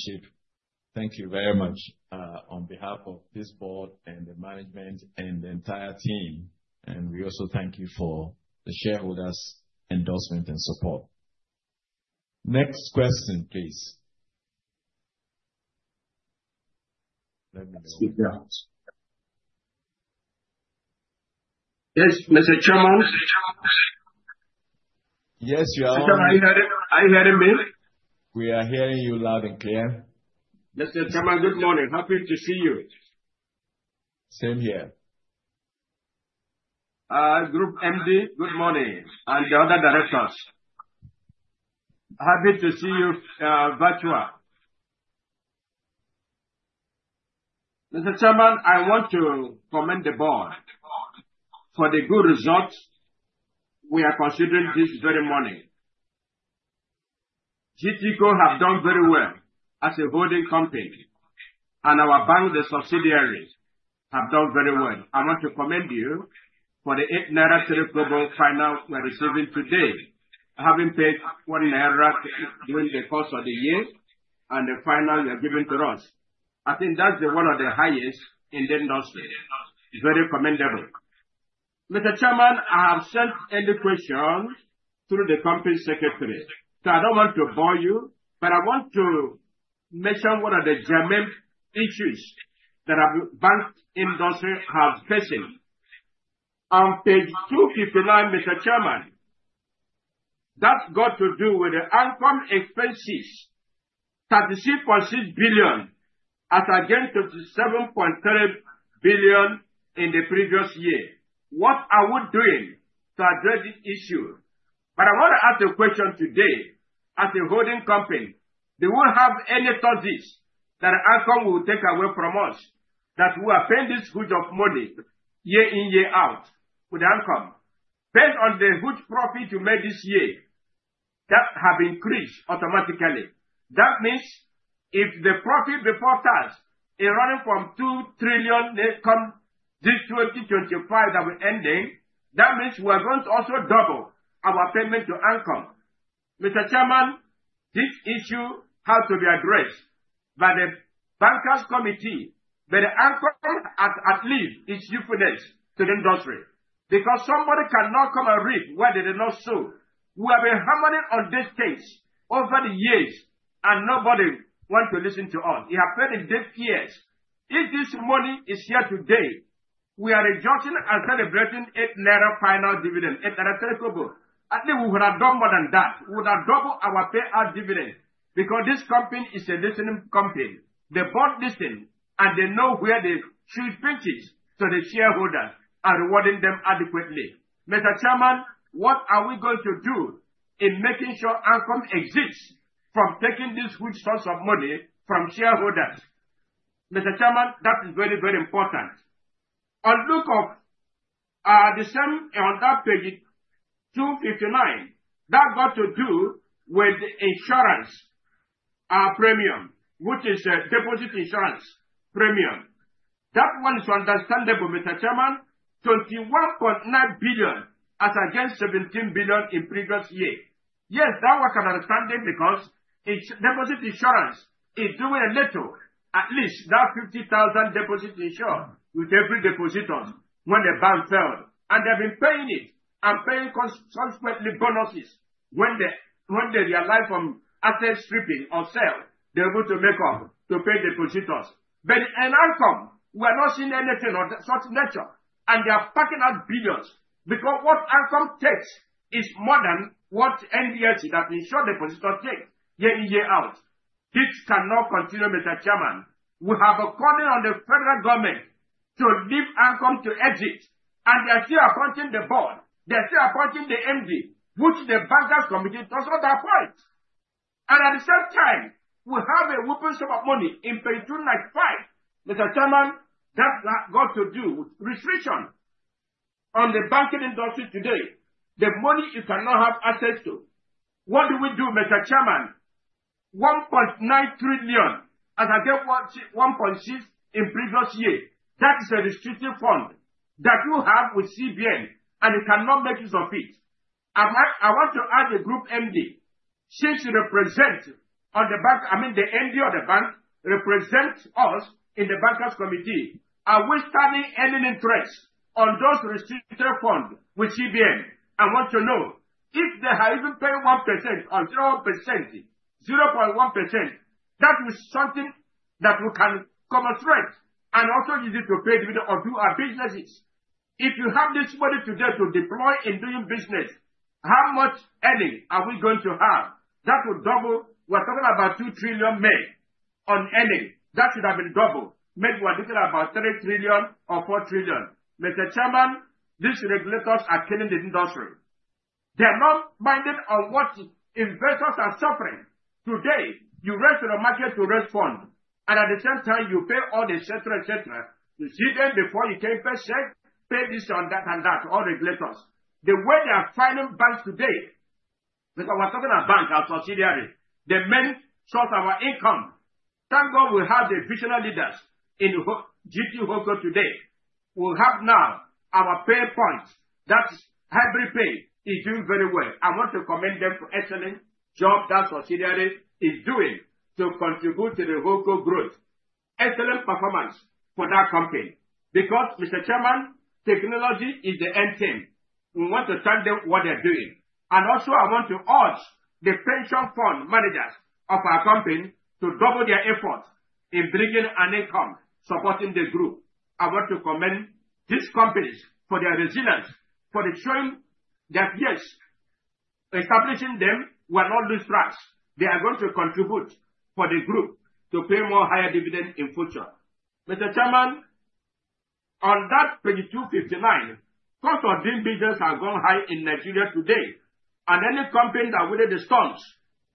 A: Thank you very much on behalf of this board and the management and the entire team. We also thank you for the shareholders' endorsement and support. Next question, please. Let me know.
I: Yes, Mr. Chairman.
A: Yes, you are.
I: Mr. Chairman, are you hearing me?
A: We are hearing you loud and clear.
I: Mr. Chairman, good morning. Happy to see you.
A: Same here.
I: Group MD, good morning. The other directors, happy to see you, Virtua. Mr. Chairman, I want to commend the board for the good results we are considering this very morning. GTCO have done very well as a holding company, and our bank, the subsidiaries, have done very well. I want to commend you for the 0.0893 naira final we are receiving today, having paid 0.0193 naira during the course of the year, and the final you are giving to us. I think that's one of the highest in the industry. Very commendable. Mr. Chairman, I have sent any questions through the company secretary. I don't want to bore you, but I want to mention one of the germane issues that our bank industry has faced. On page 259, Mr. Chairman, that's got to do with the income expenses, 33.6 billion against 27.3 billion in the previous year. What are we doing to address this issue? I want to ask a question today as a holding company. Do we have any thought that income will take away from us, that we are paying this good of money year in, year out with the income? Based on the good profit you made this year, that has increased automatically. That means if the profit before tax is running from 2 trillion income this 2025 that we are ending, that means we are going to also double our payment to income. Mr. Chairman, this issue has to be addressed by the bankers' committee. The income at least is duplicated to the industry. Because somebody cannot come and read what the law says. We have been hammering on this case over the years, and nobody wants to listen to us. It has been in dead years. If this money is here today, we are adjusting and celebrating 0.0893 naira. At least we would have done more than that. We would have doubled our payout dividend because this company is a listening company. The board listens, and they know where they should pinch it to the shareholders and rewarding them adequately. Mr. Chairman, what are we going to do in making sure income exists from taking these good sums of money from shareholders? Mr. Chairman, that is very, very important. On the same on that page, 259, that got to do with the insurance premium, which is a deposit insurance premium. That one is understandable, Mr. Chairman. 21.9 billion at against 17 billion in previous year. Yes, that one can understand it because it's deposit insurance. It's doing a little. At least now 50,000 deposit insured with every depositor when the bank failed. They've been paying it and paying subsequently bonuses when they realize from asset stripping or sale, they're able to make up to pay depositors. In income, we are not seeing anything of that sort of nature. They are packing out billions because what income takes is more than what NDS that insured depositor takes year in, year out. This cannot continue, Mr. Chairman. We have a calling on the federal government to leave income to exit. They are still appointing the board. They are still appointing the MD, which the bankers' committee does all that for it. At the same time, we have a whopping sum of money in page 295. Mr. Chairman, that's got to do with restriction on the banking industry today. The money you cannot have access to. What do we do, Mr. Chairman? 1.9 trillion at against 1.6 trillion in previous year. That is a restrictive fund that you have with CBN, and you cannot make use of it. I want to ask the Group MD, since you represent on the bank, I mean, the MD of the bank represents us in the bankers' committee. Are we standing any interest on those restrictive funds with CBN? I want to know. If they have even paid 1% or 0%, 0.1%, that was something that we can come straight and also easy to pay dividend or do our businesses. If you have this money today to deploy in doing business, how much earning are we going to have? That would double. We're talking about 2 trillion made on earning. That should have been doubled. Maybe we're looking at about 3 trillion or NGN 4 trillion. Mr. Chairman, these regulators are killing the industry. They're not minded on what investors are suffering today. You raise to the market to raise funds. At the same time, you pay all the etc., etc. You see them before you came first, say, "Pay this and that and that," all regulators. The way they are fining banks today, because we're talking about banks as subsidiaries, the main source of our income. Thank God we have the regional leaders in GT Hoger today. We have now our pay points. That is HabariPay is doing very well. I want to commend them for excellent job that subsidiary is doing to contribute to the Hoger growth. Excellent performance for that company. Because, Mr. Chairman, technology is the end team. We want to thank them for what they're doing. I want to urge the pension fund managers of our company to double their effort in bringing an income supporting the group. I want to commend these companies for their resilience, for showing that, yes, establishing them, we're not losing trust. They are going to contribute for the group to pay more higher dividend in future. Mr. Chairman, on that page 259, cost of doing business has gone high in Nigeria today. Any company that within the stance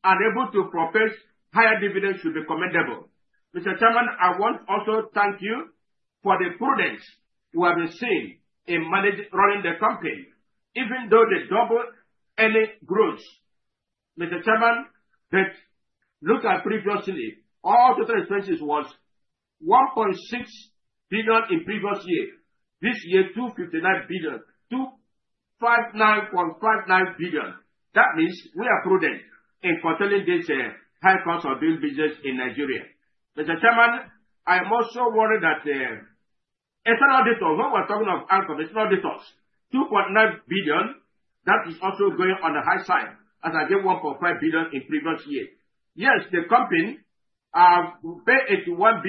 I: and able to propose higher dividend should be commendable. Mr. Chairman, I want also to thank you for the prudence you have been seeing in running the company, even though they doubled any growth. Mr. Chairman, look at previously. All total expenses was 1.6 billion in previous year. This year, 259 billion. 259.59 billion. That means we are prudent in fulfilling this high cost of doing business in Nigeria. Mr. Chairman, I am also worried that it's not all details. When we're talking of income, it's not details. 2.9 billion, that is also going on the high side as against 1.5 billion in previous year. Yes, the company paid into 1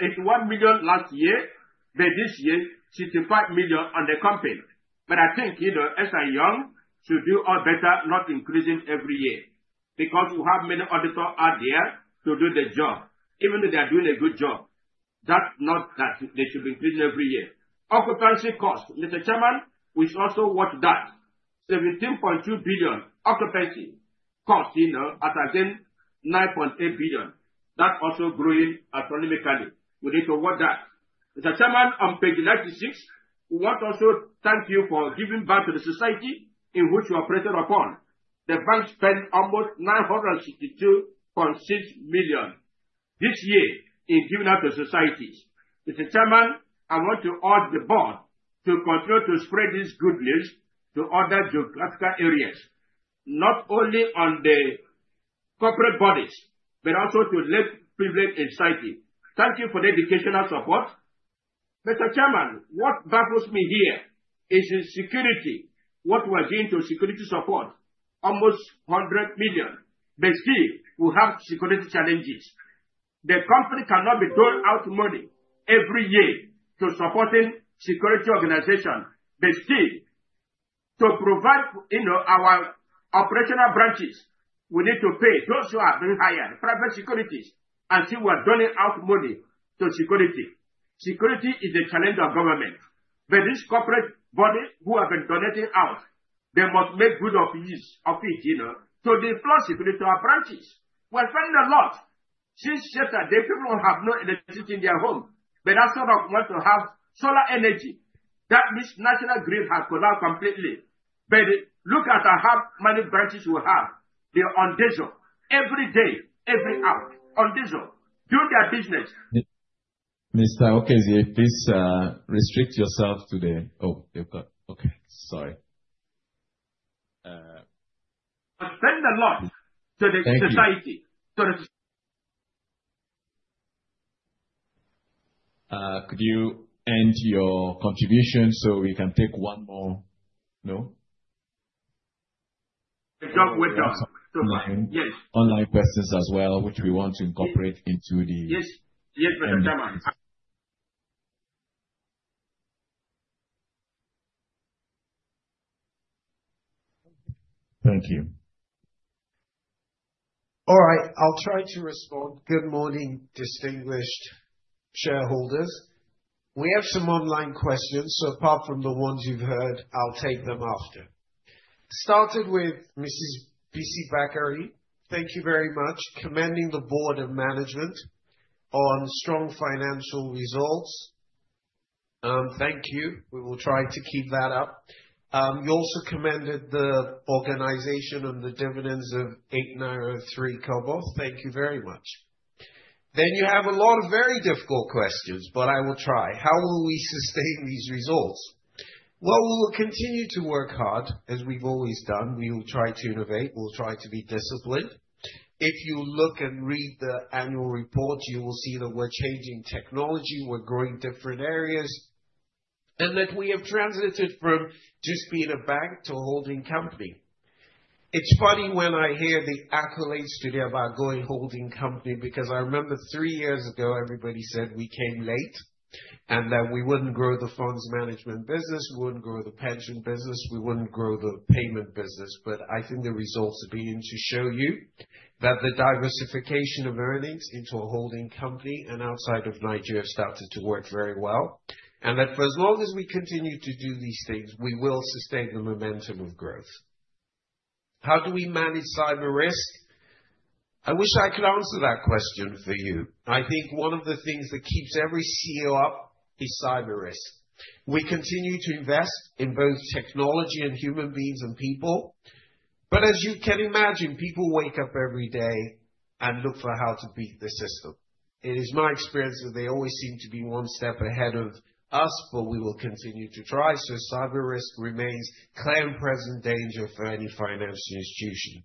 I: million last year, but this year, 65 million on the company. I think Ernst & Young should do all better not increasing every year because we have many auditors out there to do the job, even though they are doing a good job. That's not that they should be increasing every year. Occupancy cost, Mr. Chairman, we should also watch that. 17.2 billion occupancy cost as against 9.8 billion. That's also growing astronomically. We need to watch that. Mr. Chairman, on page 96, we want also to thank you for giving back to the society in which you operated upon. The bank spent almost 962.6 million this year in giving out to societies. Mr. Chairman, I want to urge the board to continue to spread these good news to other geographical areas, not only on the corporate bodies, but also to lend privilege in society. Thank you for the educational support. Mr. Chairman, what baffles me here is the security. What we are doing to security support, almost 100 million, but still we have security challenges. The company cannot withdraw out money every year to supporting security organization, but still to provide our operational branches, we need to pay those who are very higher, private securities, and see we are donning out money to security. Security is a challenge of government. These corporate bodies who have been donating out, they must make good use of it to deploy security to our branches. We're spending a lot since yesterday. People do not have electricity in their home, but that is sort of why they want to have solar energy. That means national grid has collapsed completely. Look at the half-money branches we have. They are on diesel every day, every hour, on diesel doing their business.
A: Mr. Hokezie, please restrict yourself to the—oh, you've got—okay, sorry.
I: I spend a lot to the society.
A: Could you end your contribution so we can take one more note?
I: We're done. We're done.
A: Online questions as well, which we want to incorporate into the.
I: Yes. Yes, Mr. Chairman.
A: Thank you.
J: All right. I'll try to respond. Good morning, distinguished shareholders. We have some online questions, so apart from the ones you've heard, I'll take them after. Started with Mrs. Bisi Bakare, thank you very much, commending the board and management on strong financial results. Thank you. We will try to keep that up. You also commended the organization and the dividends of 8.93 Kobo. Thank you very much. You have a lot of very difficult questions, but I will try. How will we sustain these results? We will continue to work hard as we've always done. We will try to innovate. We'll try to be disciplined. If you look and read the annual report, you will see that we're changing technology, we're growing different areas and that we have transited from just being a bank to holding company. It's funny when I hear the accolades today about going holding company because I remember three years ago, everybody said we came late and that we wouldn't grow the funds management business, we wouldn't grow the pension business, we wouldn't grow the payment business. I think the results have been to show you that the diversification of earnings into a holding company and outside of Nigeria started to work very well. That for as long as we continue to do these things, we will sustain the momentum of growth. How do we manage cyber risk? I wish I could answer that question for you. I think one of the things that keeps every CEO up is cyber risk. We continue to invest in both technology and human beings and people. As you can imagine, people wake up every day and look for how to beat the system. It is my experience that they always seem to be one step ahead of us, but we will continue to try. Cyber risk remains a clear and present danger for any financial institution.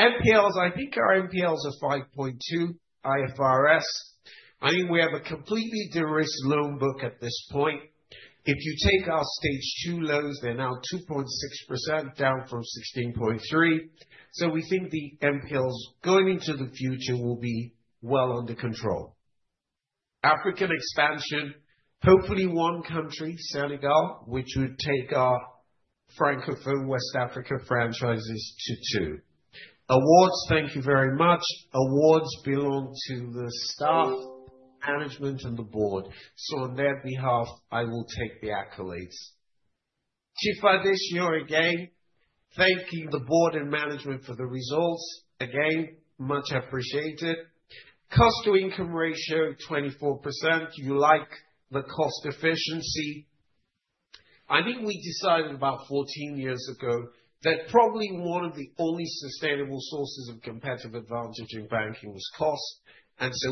J: NPLs, I think our NPLs are 5.2%. IFRS, I mean, we have a completely derisked loan book at this point. If you take our stage two loans, they are now 2.6% down from 16.3%. We think the NPLs going into the future will be well under control. African expansion, hopefully one country, Senegal, which would take our Francophone West Africa franchises to two. Awards, thank you very much. Awards belong to the staff, management, and the board. On their behalf, I will take the accolades. Chief Adesina, you are again thanking the board and management for the results. Again, much appreciated. Cost-to-income ratio, 24%. You like the cost efficiency. I think we decided about 14 years ago that probably one of the only sustainable sources of competitive advantage in banking was cost.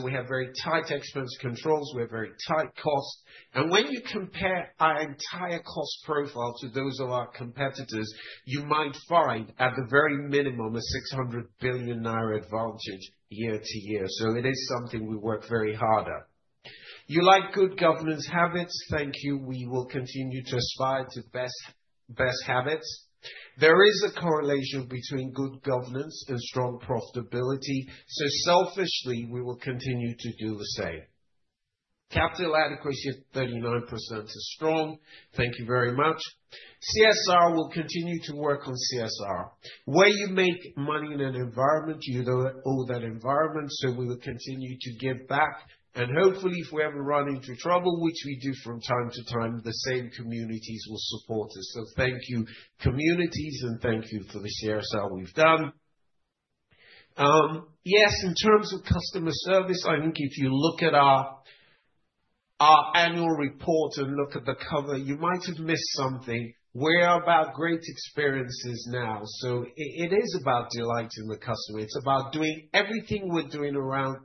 J: We have very tight expense controls. We have very tight costs. When you compare our entire cost profile to those of our competitors, you might find at the very minimum a 600 billion naira advantage year to year. It is something we work very hard at. You like good governance habits. Thank you. We will continue to aspire to best habits. There is a correlation between good governance and strong profitability. Selfishly, we will continue to do the same. Capital adequacy of 39% is strong. Thank you very much. CSR, we will continue to work on CSR. Where you make money in an environment, you owe that environment. We will continue to give back. Hopefully, if we ever run into trouble, which we do from time to time, the same communities will support us. Thank you, communities, and thank you for the CSR we've done. Yes, in terms of customer service, I think if you look at our annual report and look at the cover, you might have missed something. We're about great experiences now. It is about delighting the customer. It's about doing everything we're doing around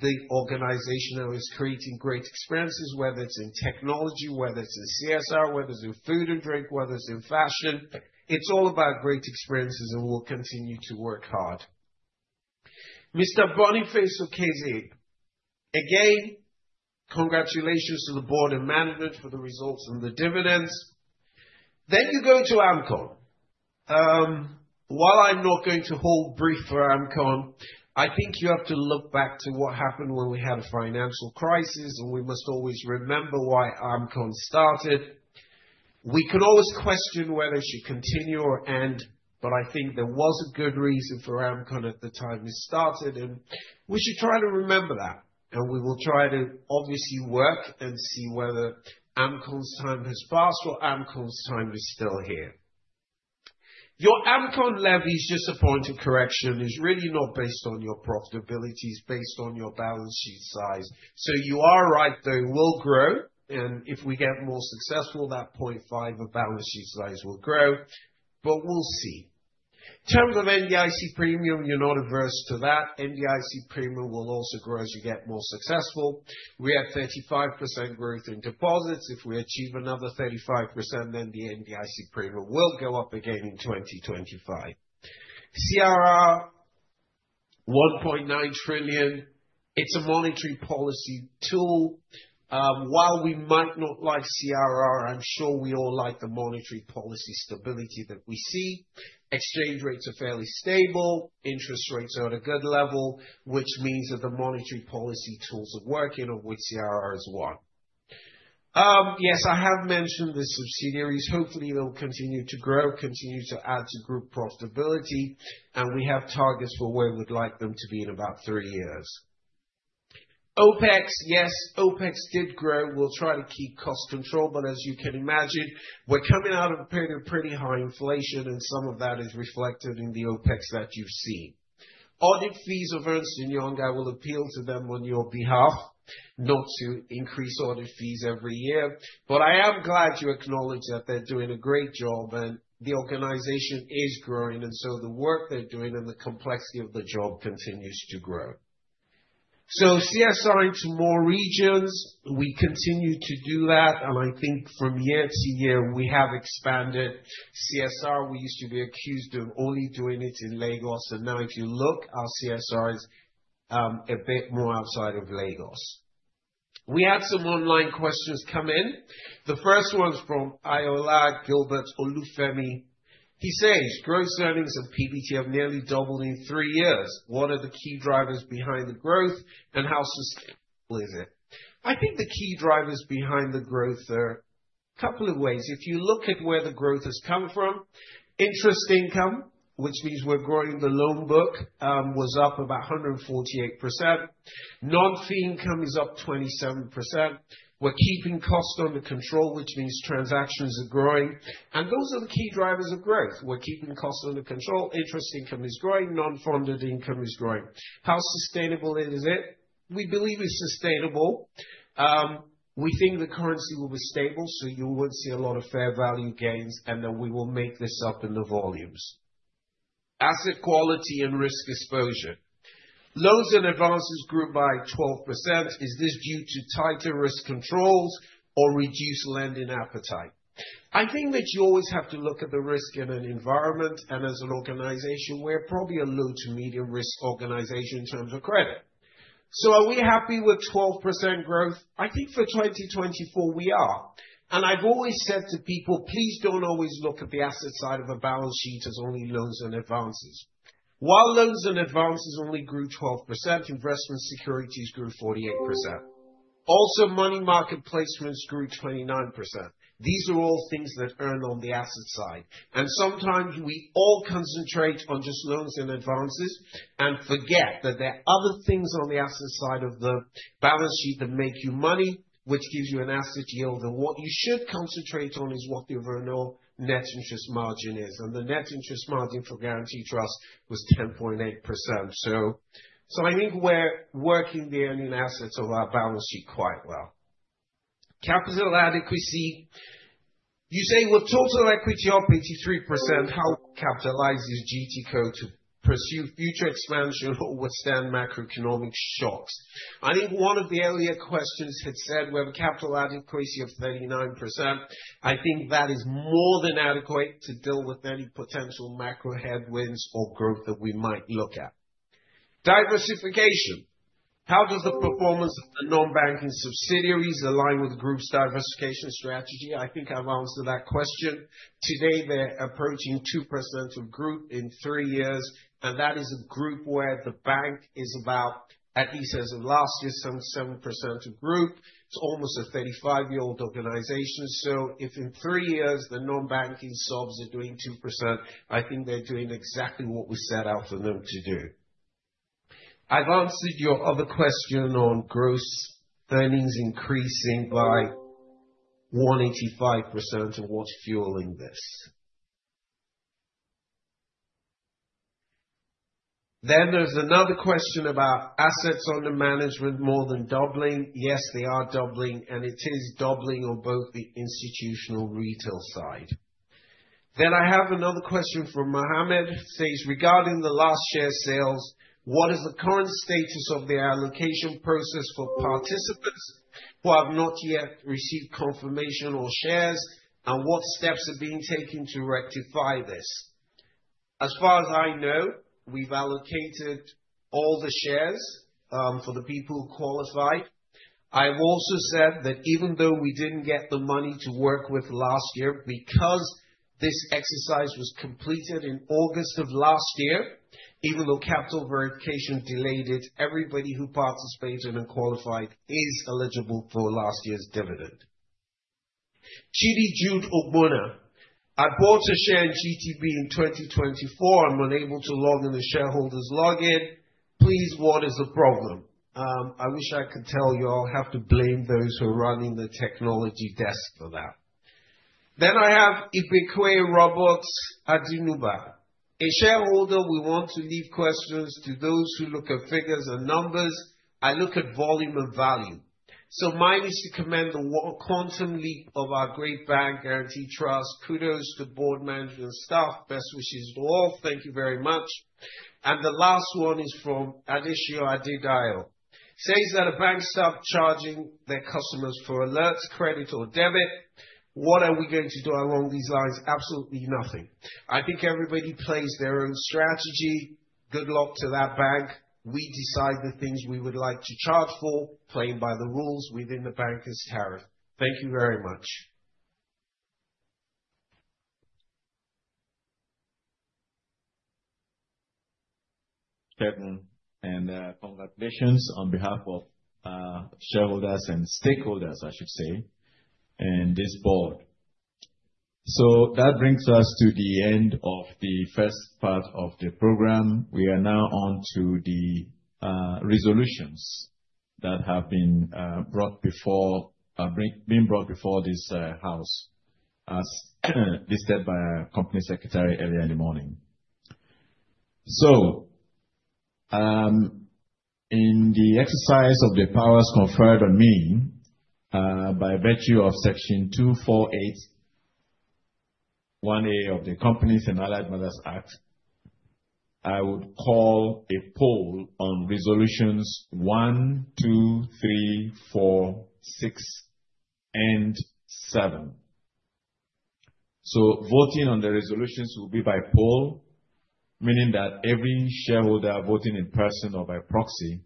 J: the organization that is creating great experiences, whether it's in technology, whether it's in CSR, whether it's in food and drink, whether it's in fashion. It's all about great experiences, and we'll continue to work hard. Mr. Boniface Hokezie, again, congratulations to the board and management for the results and the dividends. You go to AMCON. While I'm not going to hold brief for AMCON, I think you have to look back to what happened when we had a financial crisis, and we must always remember why AMCON started. We can always question whether it should continue or end, but I think there was a good reason for AMCON at the time it started, and we should try to remember that. We will try to obviously work and see whether AMCON's time has passed or AMCON's time is still here. Your AMCON levy is just a point of correction. It's really not based on your profitability. It's based on your balance sheet size. You are right, though. We'll grow. If we get more successful, that 0.5% of balance sheet size will grow. We'll see. In terms of NDIC premium, you're not averse to that. NDIC premium will also grow as you get more successful. We have 35% growth in deposits. If we achieve another 35%, then the NDIC premium will go up again in 2025. CRR, 1.9 trillion. It's a monetary policy tool. While we might not like CRR, I'm sure we all like the monetary policy stability that we see. Exchange rates are fairly stable. Interest rates are at a good level, which means that the monetary policy tools are working, of which CRR is one. Yes, I have mentioned the subsidiaries. Hopefully, they'll continue to grow, continue to add to group profitability. We have targets for where we'd like them to be in about three years. OPEX, yes, OPEX did grow. We'll try to keep cost control, but as you can imagine, we're coming out of a period of pretty high inflation, and some of that is reflected in the OPEX that you've seen. Audit fees of Ernst & Young, I will appeal to them on your behalf, not to increase audit fees every year. I am glad you acknowledge that they're doing a great job, and the organization is growing, and the work they're doing and the complexity of the job continues to grow. CSR into more regions, we continue to do that. I think from year to year, we have expanded CSR. We used to be accused of only doing it in Lagos. If you look, our CSR is a bit more outside of Lagos. We had some online questions come in. The first one's from Ayola Gilbert Olufemi. He says, "Growth earnings of PBT have nearly doubled in three years. What are the key drivers behind the growth, and how sustainable is it?" I think the key drivers behind the growth are a couple of ways. If you look at where the growth has come from, interest income, which means we're growing the loan book, was up about 148%. Non-fee income is up 27%. We're keeping cost under control, which means transactions are growing. Those are the key drivers of growth. We're keeping cost under control. Interest income is growing. Non-funded income is growing. How sustainable is it? We believe it's sustainable. We think the currency will be stable, so you won't see a lot of fair value gains, and then we will make this up in the volumes. Asset quality and risk exposure. Loans and advances grew by 12%. Is this due to tighter risk controls or reduced lending appetite? I think that you always have to look at the risk in an environment. As an organization, we're probably a low to medium risk organization in terms of credit. Are we happy with 12% growth? I think for 2024, we are. I've always said to people, "Please don't always look at the asset side of a balance sheet as only loans and advances." While loans and advances only grew 12%, investment securities grew 48%. Also, money market placements grew 29%. These are all things that earn on the asset side. Sometimes we all concentrate on just loans and advances and forget that there are other things on the asset side of the balance sheet that make you money, which gives you an asset yield. What you should concentrate on is what the overall net interest margin is. The net interest margin for Guaranty Trust was 10.8%. I think we're working the earning assets of our balance sheet quite well. Capital adequacy. You say we're total equity up 83%. How will we capitalize this GTCO to pursue future expansion or withstand macroeconomic shocks? I think one of the earlier questions had said we have a capital adequacy of 39%. I think that is more than adequate to deal with any potential macro headwinds or growth that we might look at. Diversification. How does the performance of the non-banking subsidiaries align with the group's diversification strategy? I think I've answered that question. Today, they're approaching 2% of group in three years. That is a group where the bank is about, at least as of last year, some 7% of group. It's almost a 35-year-old organization. If in three years the non-banking subs are doing 2%, I think they're doing exactly what we set out for them to do. I've answered your other question on gross earnings increasing by 185% and what's fueling this. There is another question about assets under management more than doubling. Yes, they are doubling, and it is doubling on both the institutional and retail side. I have another question from Mohammed. He says, "Regarding the last share sales, what is the current status of the allocation process for participants who have not yet received confirmation or shares, and what steps are being taken to rectify this?" As far as I know, we've allocated all the shares for the people who qualify. I have also said that even though we didn't get the money to work with last year because this exercise was completed in August of last year, even though capital verification delayed it, everybody who participated and qualified is eligible for last year's dividend. Chidi Jude Ogbuna. I bought a share in GTBank in 2024. I'm unable to log in the shareholders' login. Please, what is the problem? I wish I could tell you all. I have to blame those who are running the technology desk for that. I have Ibique Robots Adinuba. A shareholder, we want to leave questions to those who look at figures and numbers. I look at volume and value. Mine is to commend the quantum leap of our great bank, Guaranty Trust. Kudos to board, management, and staff. Best wishes to all. Thank you very much. The last one is from Adisio Adidao. He says that a bank stopped charging their customers for alerts, credit, or debit. What are we going to do along these lines? Absolutely nothing. I think everybody plays their own strategy. Good luck to that bank. We decide the things we would like to charge for, playing by the rules within the banker's tariff. Thank you very much.
C: Certainly, and congratulations on behalf of shareholders and stakeholders, I should say, and this board. That brings us to the end of the first part of the program. We are now on to the resolutions that have been brought before this house, as listed by our company secretary earlier in the morning. In the exercise of the powers conferred on me by virtue of Section 248(1)(a) of the Companies and Allied Matters Act, I would call a poll on resolutions one, two, three, four, six, and seven. Voting on the resolutions will be by poll, meaning that every shareholder voting in person or by proxy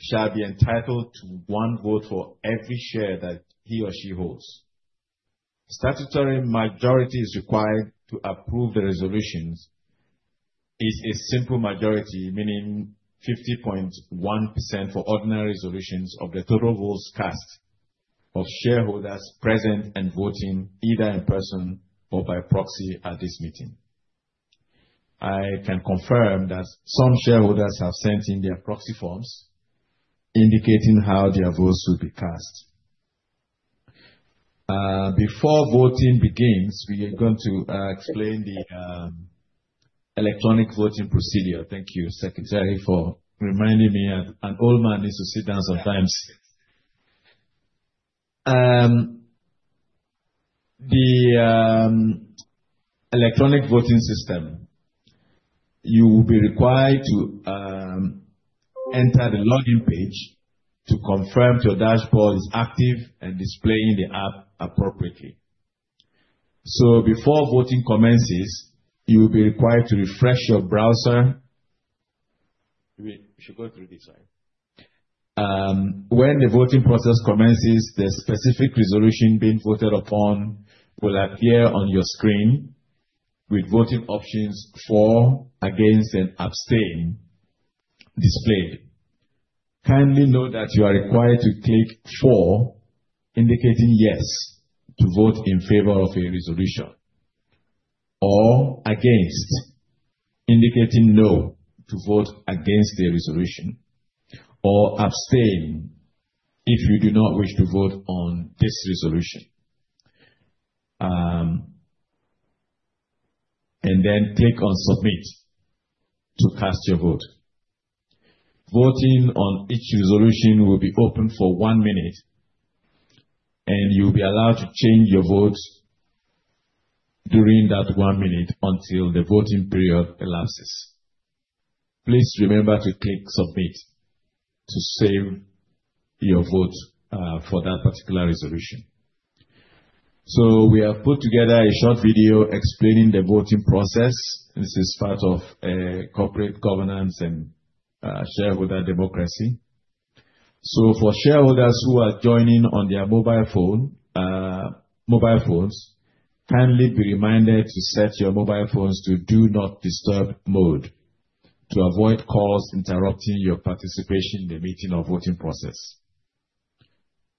C: shall be entitled to one vote for every share that he or she holds. Statutory majority is required to approve the resolutions. It's a simple majority, meaning 50.1% for ordinary resolutions of the total votes cast of shareholders present and voting either in person or by proxy at this meeting. I can confirm that some shareholders have sent in their proxy forms indicating how their votes will be cast. Before voting begins, we are going to explain the electronic voting procedure. Thank you, Secretary, for reminding me. An old man needs to sit down sometimes. The electronic voting system, you will be required to enter the login page to confirm your dashboard is active and displaying the app appropriately. Before voting commences, you will be required to refresh your browser. We should go through this, right? When the voting process commences, the specific resolution being voted upon will appear on your screen with voting options for, against, and abstain displayed. Kindly note that you are required to click for, indicating yes, to vote in favor of a resolution, or against, indicating no to vote against the resolution, or abstain if you do not wish to vote on this resolution. Then click on submit to cast your vote. Voting on each resolution will be open for one minute, and you'll be allowed to change your vote during that one minute until the voting period elapses. Please remember to click submit to save your vote for that particular resolution. We have put together a short video explaining the voting process. This is part of corporate governance and shareholder democracy. For shareholders who are joining on their mobile phones, kindly be reminded to set your mobile phones to do not disturb mode to avoid calls interrupting your participation in the meeting or voting process.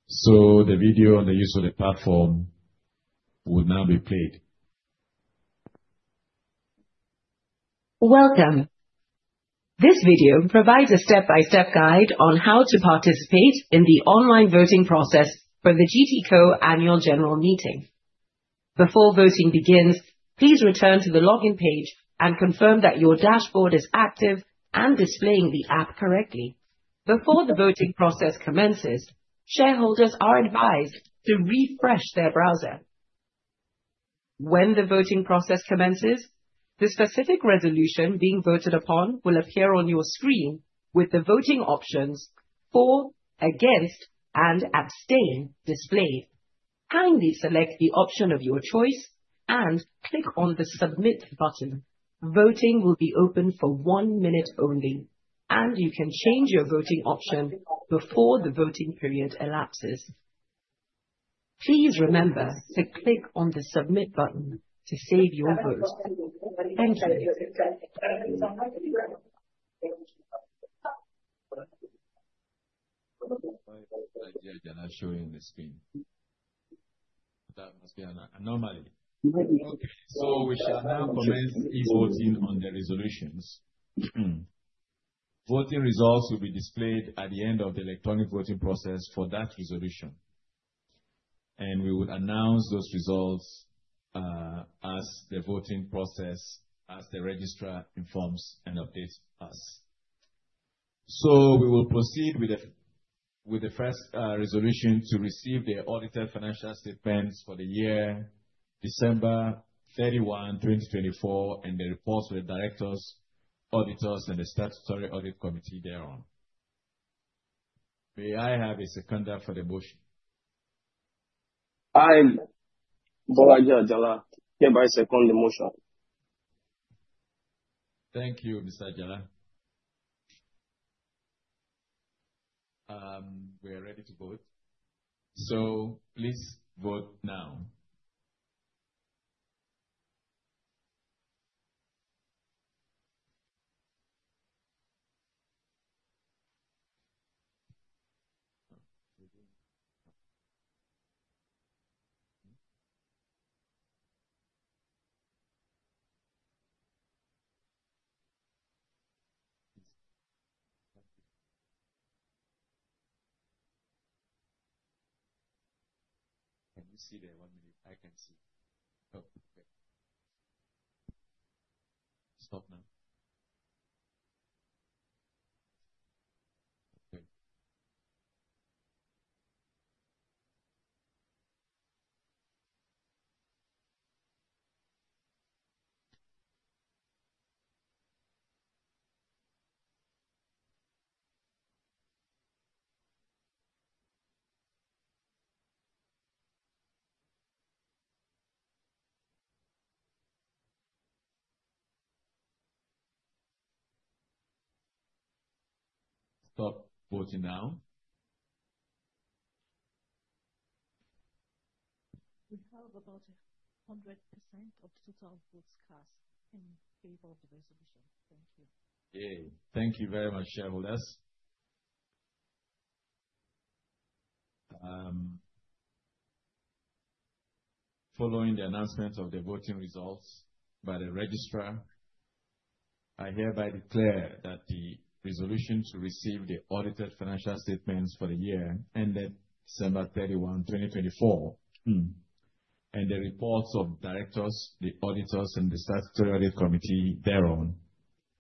C: The video on the use of the platform will now be played. Welcome. This video provides a step-by-step guide on how to participate in the online voting process for the GTCO annual general meeting. Before voting begins, please return to the login page and confirm that your dashboard is active and displaying the app correctly. Before the voting process commences, shareholders are advised to refresh their browser. When the voting process commences, the specific resolution being voted upon will appear on your screen with the voting options for, against, and abstain displayed. Kindly select the option of your choice and click on the submit button. Voting will be open for one minute only, and you can change your voting option before the voting period elapses. Please remember to click on the submit button to save your vote. Thank you. That must be an anomaly. Okay. We shall now commence e-voting on the resolutions. Voting results will be displayed at the end of the electronic voting process for that resolution. We will announce those results as the voting process, as the registrar informs and updates us. We will proceed with the first resolution to receive the audited financial statements for the year, December 31, 2024, and the reports with directors, auditors, and the statutory audit committee thereon. May I have a seconder for the motion?
K: I'm Bora Njadjala hereby seconding the motion.
C: Thank you, Mr. Njadjala. We are ready to vote. Please vote now. Can you see the one minute? I can see. Oh, okay. Stop now. Okay. Stop voting now.
D: We have about 100% of total votes cast in favor of the resolution. Thank you.
C: Yay. Thank you very much, shareholders. Following the announcement of the voting results by the registrar, I hereby declare that the resolution to receive the audited financial statements for the year ended December 31, 2024, and the reports of directors, the auditors, and the statutory audit committee thereon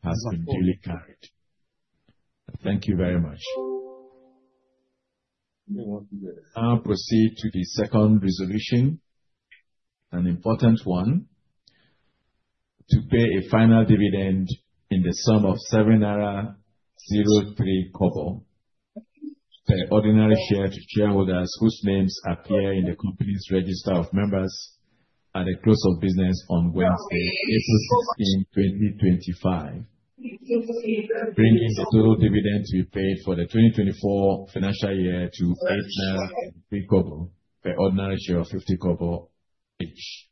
C: has been duly carried. Thank you very much.
D: Now proceed to the second resolution, an important one, to pay a final dividend in the sum of 7.03 to the ordinary shareholders whose names appear in the company's register of members at the close of business on Wednesday, April 16, 2025, bringing the total dividend to be paid for the 2024 financial year to NGN 8.03 for ordinary share of 50 kobo each.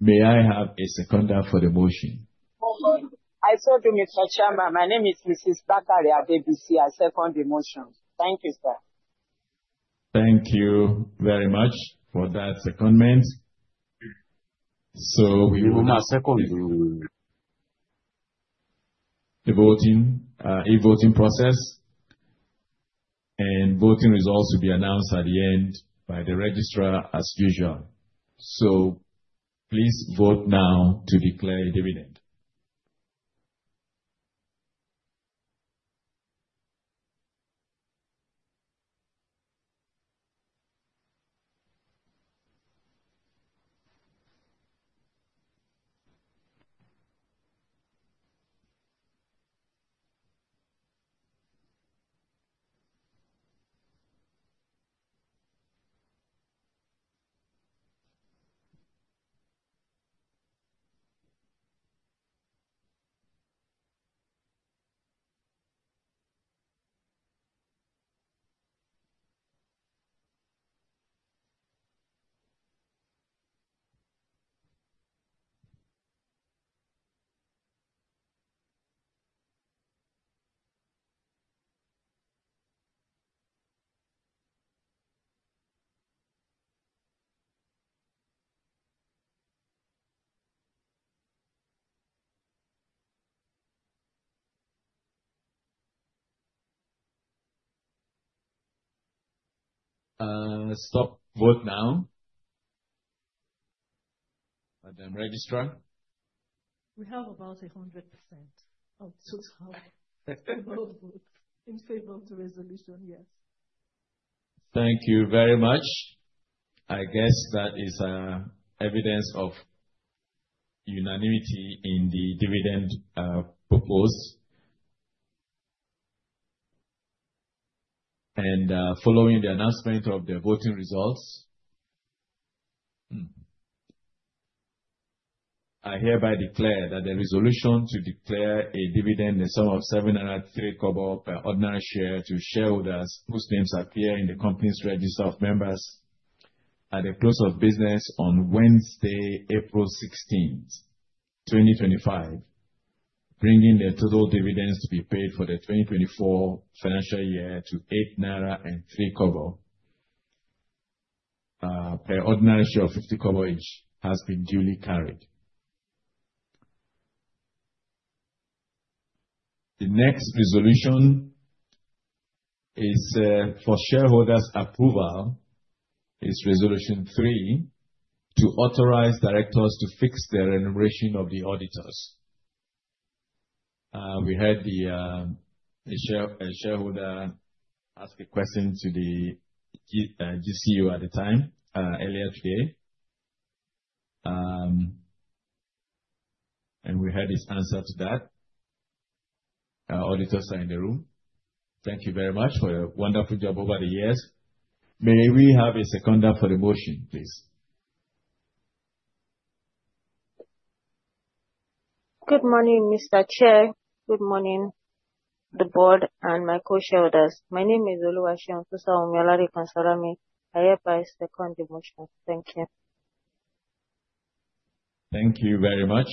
D: May I have a seconder for the motion?
H: I'm serving Mr. Chamba. My name is Mrs. Bisi Bakare, a seconding motion. Thank you, sir.
C: Thank you very much for that secondment. We will now second the voting process, and voting results will be announced at the end by the registrar as usual. Please vote now to declare a dividend. Stop vote now by the registrar. We have about 100% of total votes in favor of the resolution, yes. Thank you very much. I guess that is evidence of unanimity in the dividend proposed. Following the announcement of the voting results, I hereby declare that the resolution to declare a dividend in the sum of 7.03 per ordinary share to shareholders whose names appear in the company's register of members at the close of business on Wednesday, April 16, 2025, bringing the total dividends to be paid for the 2024 financial year to 8.03 naira per ordinary share of 50 kobo each, has been duly carried. The next resolution is for shareholders' approval. It is Resolution 3 to authorize directors to fix the remuneration of the auditors. We heard the shareholder ask a question to the GCU at the time earlier today, and we heard his answer to that. Auditors are in the room. Thank you very much for your wonderful job over the years. May we have a seconder for the motion, please? Good morning, Mr. Chair. Good morning, the board and my co-shareholders. My name is Uluwashi Mthusa Omyolari Konsalami. I hereby second the motion. Thank you. Thank you very much.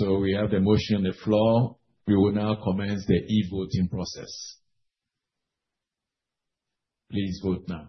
C: We have the motion on the floor. We will now commence the e-voting process. Please vote now.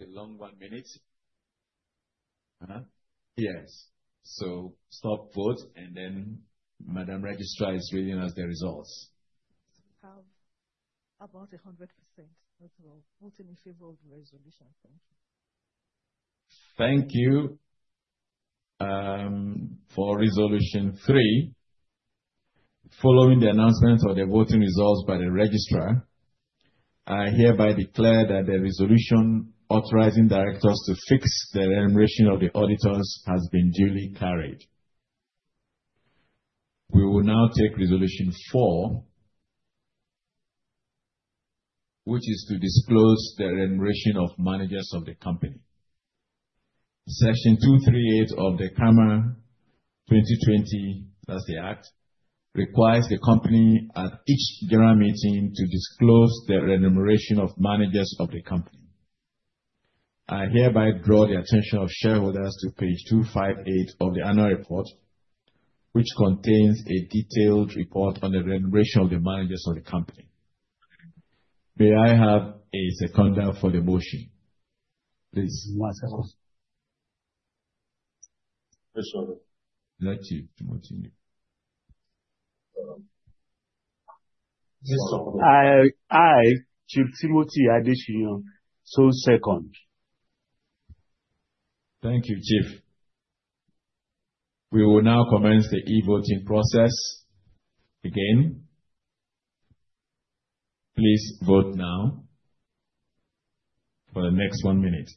C: It's a long one minute. Yes. Stop vote, and then Madam Registrar is reading us the results. We have about 100% of voting in favor of the resolution. Thank you. Thank you for Resolution 3. Following the announcement of the voting results by the registrar, I hereby declare that the resolution authorizing directors to fix the remuneration of the auditors has been duly carried. We will now take Resolution 4, which is to disclose the remuneration of managers of the company. Section 238 of the CAMA 2020, that's the act, requires the company at each general meeting to disclose the remuneration of managers of the company. I hereby draw the attention of shareholders to page 258 of the annual report, which contains a detailed report on the remuneration of the managers of the company. May I have a seconder for the motion? Please. Chief Timothy. Chief Timothy Adesina, so second. Thank you, Chief. We will now commence the e-voting process again. Please vote now for the next one minute.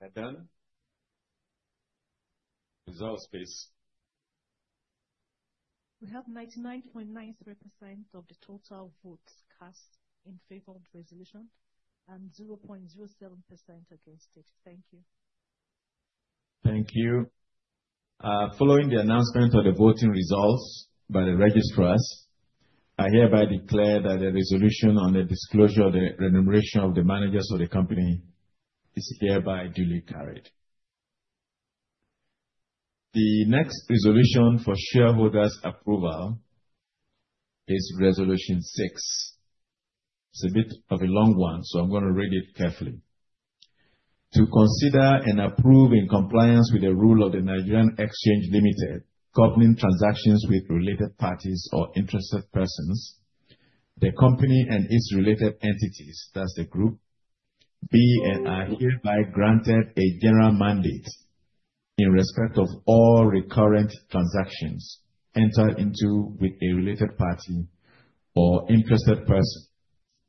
C: Head done. Results please. We have 99.93% of the total votes cast in favor of the resolution and 0.07% against it. Thank you. Thank you. Following the announcement of the voting results by the registrars, I hereby declare that the resolution on the disclosure of the remuneration of the managers of the company is hereby duly carried. The next resolution for shareholders' approval is Resolution 6. It's a bit of a long one, so I'm going to read it carefully. To consider and approve in compliance with the rule of the Nigerian Exchange Limited governing transactions with related parties or interested persons, the company and its related entities, that's the group, be hereby granted a general mandate in respect of all recurrent transactions entered into with a related party or interested person,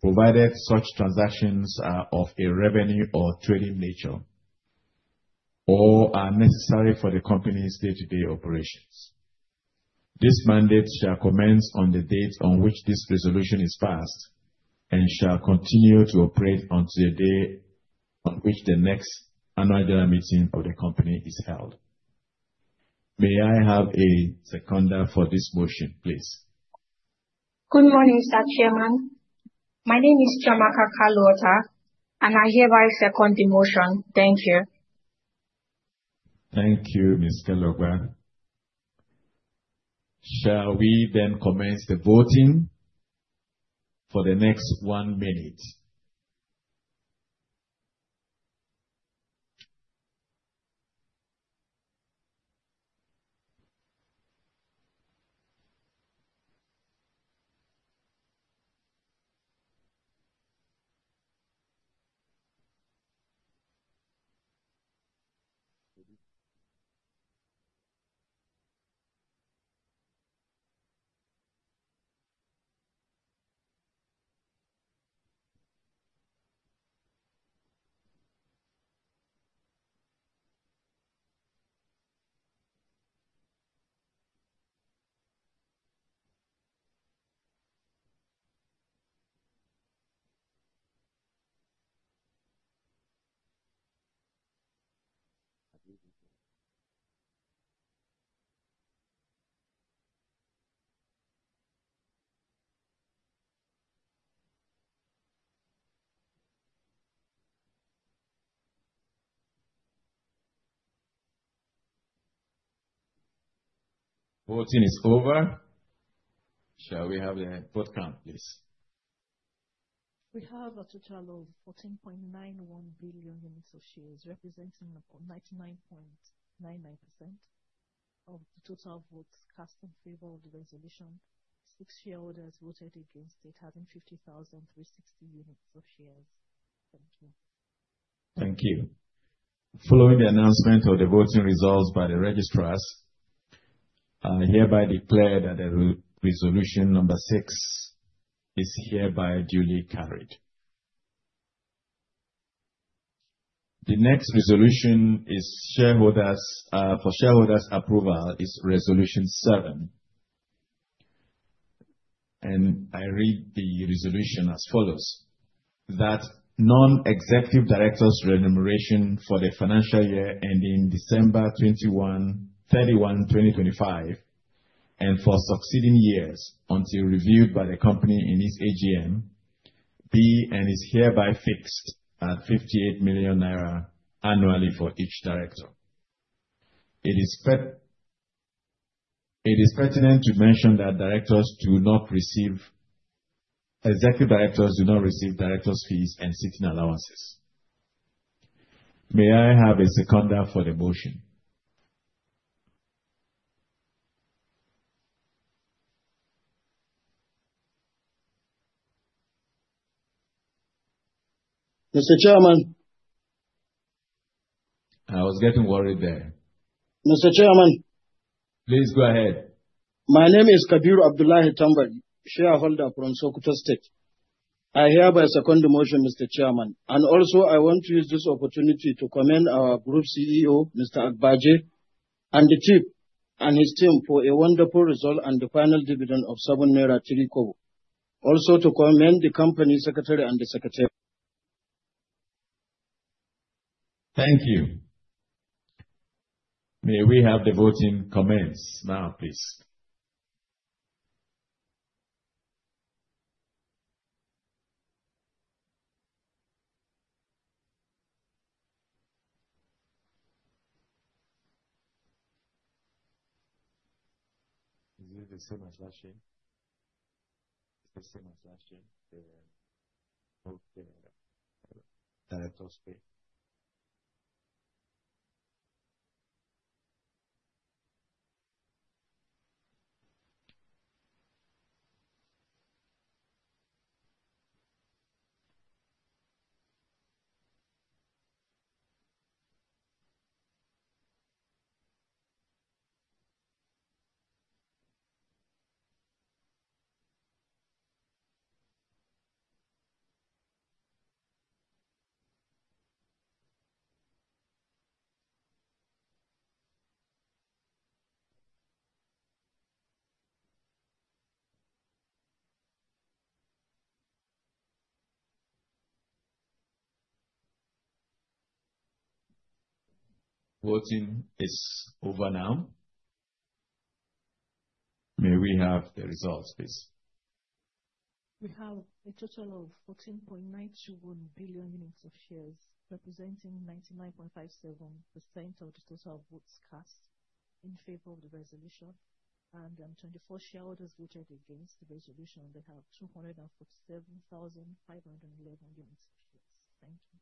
C: provided such transactions are of a revenue or trading nature or are necessary for the company's day-to-day operations. This mandate shall commence on the date on which this resolution is passed and shall continue to operate until the day on which the next annual general meeting of the company is held. May I have a seconder for this motion, please?
L: Good morning, Mr. Chairman. My name is Jamaka Kaluota, and I hereby second the motion.
C: Thank you. Thank you, Mr. Logan. Shall we then commence the voting for the next one minute? Voting is over. Shall we have the vote count, please? We have a total of 14.91 billion units of shares, representing about 99.99% of the total votes cast in favor of the resolution. Six shareholders voted against it, having 50,360 units of shares. Thank you. Thank you. Following the announcement of the voting results by the registrars, I hereby declare that the resolution number six is hereby duly carried. The next resolution for shareholders' approval is Resolution 7. I read the resolution as follows: that non-executive directors' remuneration for the financial year ending December 31, 2025, and for succeeding years until reviewed by the company in its AGM, be and is hereby fixed at 58 million naira annually for each director. It is pertinent to mention that directors do not receive, executive directors do not receive directors' fees and sitting allowances. May I have a seconder for the motion? Mr. Chairman. I was getting worried there. Mr. Chairman. Please go ahead. My name is Kabir Abdullah Itambe, shareholder from Socoteo State. I hereby second the motion, Mr. Chairman. I also want to use this opportunity to commend our Group CEO, Mr. Agbaje, and the chief and his team for a wonderful result and the final dividend of 7.03 naira. Also, to commend the Company Secretary and the secretary. Thank you. May we have the voting comments now, please? Is it the same as last year? Is it the same as last year, the directors' pay? Voting is over now. May we have the results, please?
D: We have a total of 14.921 billion units of shares, representing 99.57% of the total votes cast in favor of the resolution. Twenty-four shareholders voted against the resolution. They have 247,511 units of shares. Thank you.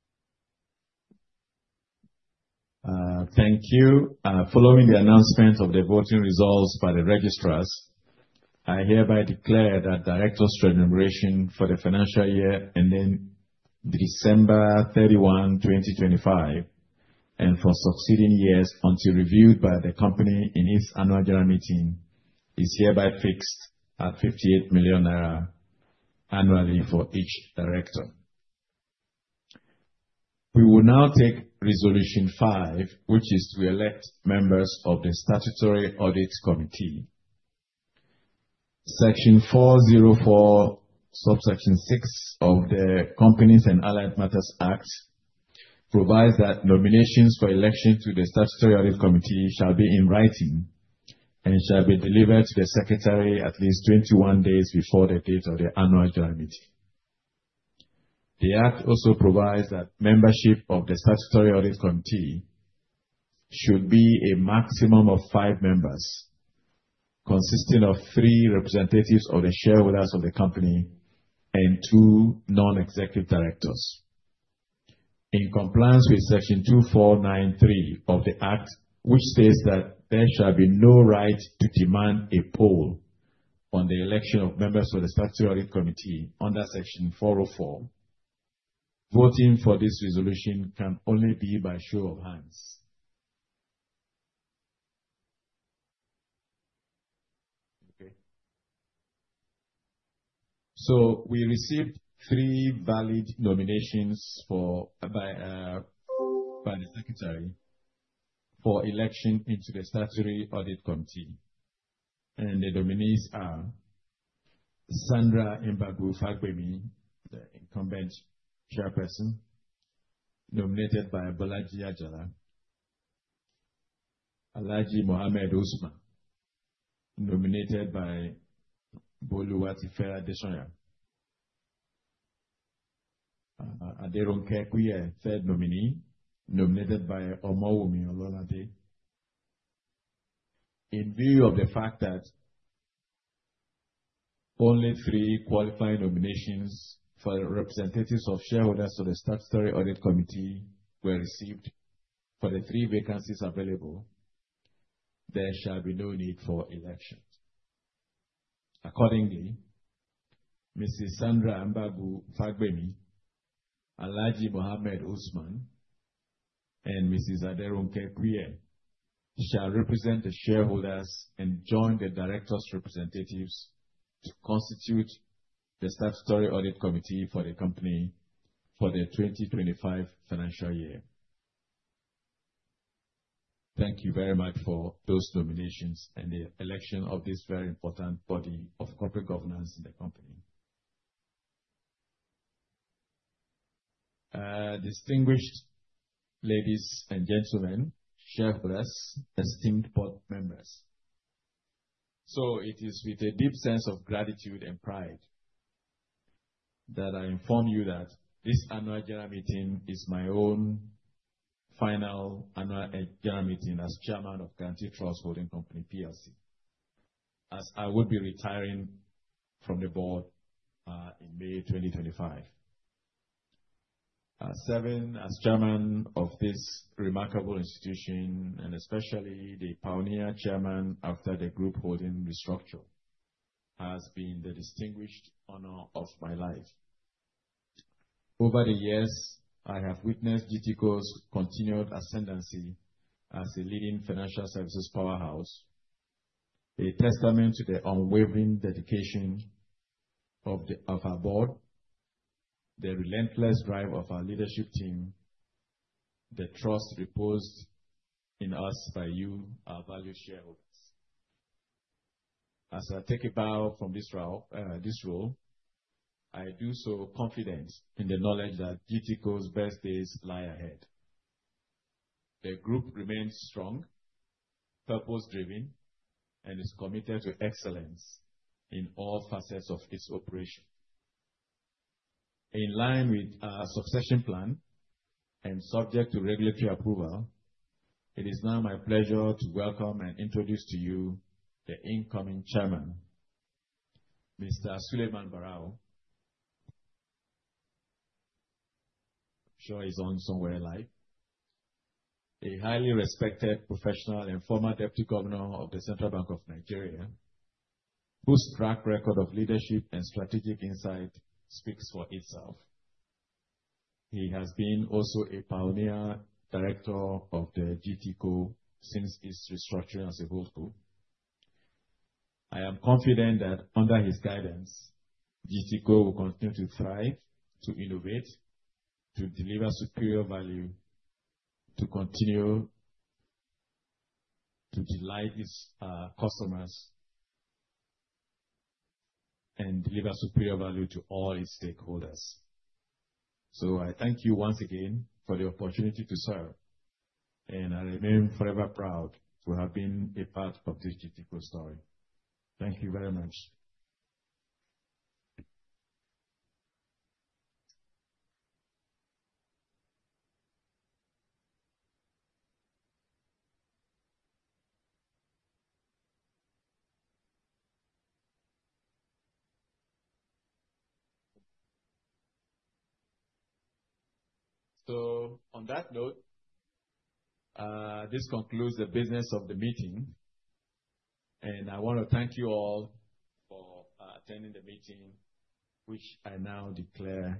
C: Thank you. Following the announcement of the voting results by the registrars, I hereby declare that directors' remuneration for the financial year ending December 31, 2025, and for succeeding years until reviewed by the company in its annual general meeting is hereby fixed at 58 million naira annually for each director. We will now take Resolution 5, which is to elect members of the Statutory Audit Committee. Section 404, subsection 6 of the Companies and Allied Matters Act provides that nominations for election to the Statutory Audit Committee shall be in writing and shall be delivered to the secretary at least 21 days before the date of the annual general meeting.
J: The act also provides that membership of the Statutory Audit Committee should be a maximum of five members, consisting of three representatives of the shareholders of the company and two non-executive directors. In compliance with Section 2493 of the act, which states that there shall be no right to demand a poll on the election of members of the Statutory Audit Committee under Section 404, voting for this resolution can only be by show of hands. Okay. We received three valid nominations by the secretary for election into the Statutory Audit Committee. The nominees are Sandra Mbagwu Fagbemi, the incumbent chairperson, nominated by Balaji Ajala. Aladji Eme Ousmane, nominated by Boluwati Fera Deshona. Aderonke Kuye, third nominee, nominated by Omawumi Ololate. In view of the fact that only three qualified nominations for representatives of shareholders of the Statutory Audit Committee were received for the three vacancies available, there shall be no need for elections. Accordingly, Mrs. Sandra Mbagwu Fagbemi, Aladji Eme Ousmane, and Mrs. Aderonke Kuye shall represent the shareholders and join the directors' representatives to constitute the Statutory Audit Committee for the company for the 2025 financial year. Thank you very much for those nominations and the election of this very important body of corporate governance in the company. Distinguished ladies and gentlemen, shareholders, and esteemed board members. It is with a deep sense of gratitude and pride that I inform you that this annual general meeting is my own final annual general meeting as Chairman of Guaranty Trust Holding Company, as I will be retiring from the board in May 2025. Serving as Chairman of this remarkable institution, and especially the pioneer Chairman after the group holding restructure, has been the distinguished honor of my life. Over the years, I have witnessed GTCO's continued ascendancy as a leading financial services powerhouse, a testament to the unwavering dedication of our board, the relentless drive of our leadership team, the trust deposed in us by you, our valued shareholders. As I take a bow from this role, I do so confident in the knowledge that GTCO's best days lie ahead. The group remains strong, purpose-driven, and is committed to excellence in all facets of its operation. In line with our succession plan and subject to regulatory approval, it is now my pleasure to welcome and introduce to you the incoming Chairman, Mr. Suleiman Barau. I'm sure he's on somewhere live. A highly respected professional and former Deputy Governor of the Central Bank of Nigeria, whose track record of leadership and strategic insight speaks for itself. He has been also a pioneer director of GTCO since its restructuring as a holding company. I am confident that under his guidance, GTCO will continue to thrive, to innovate, to deliver superior value, to continue to delight its customers, and deliver superior value to all its stakeholders. I thank you once again for the opportunity to serve, and I remain forever proud to have been a part of this GTCO story. Thank you very much. On that note, this concludes the business of the meeting, and I want to thank you all for attending the meeting, which I now declare.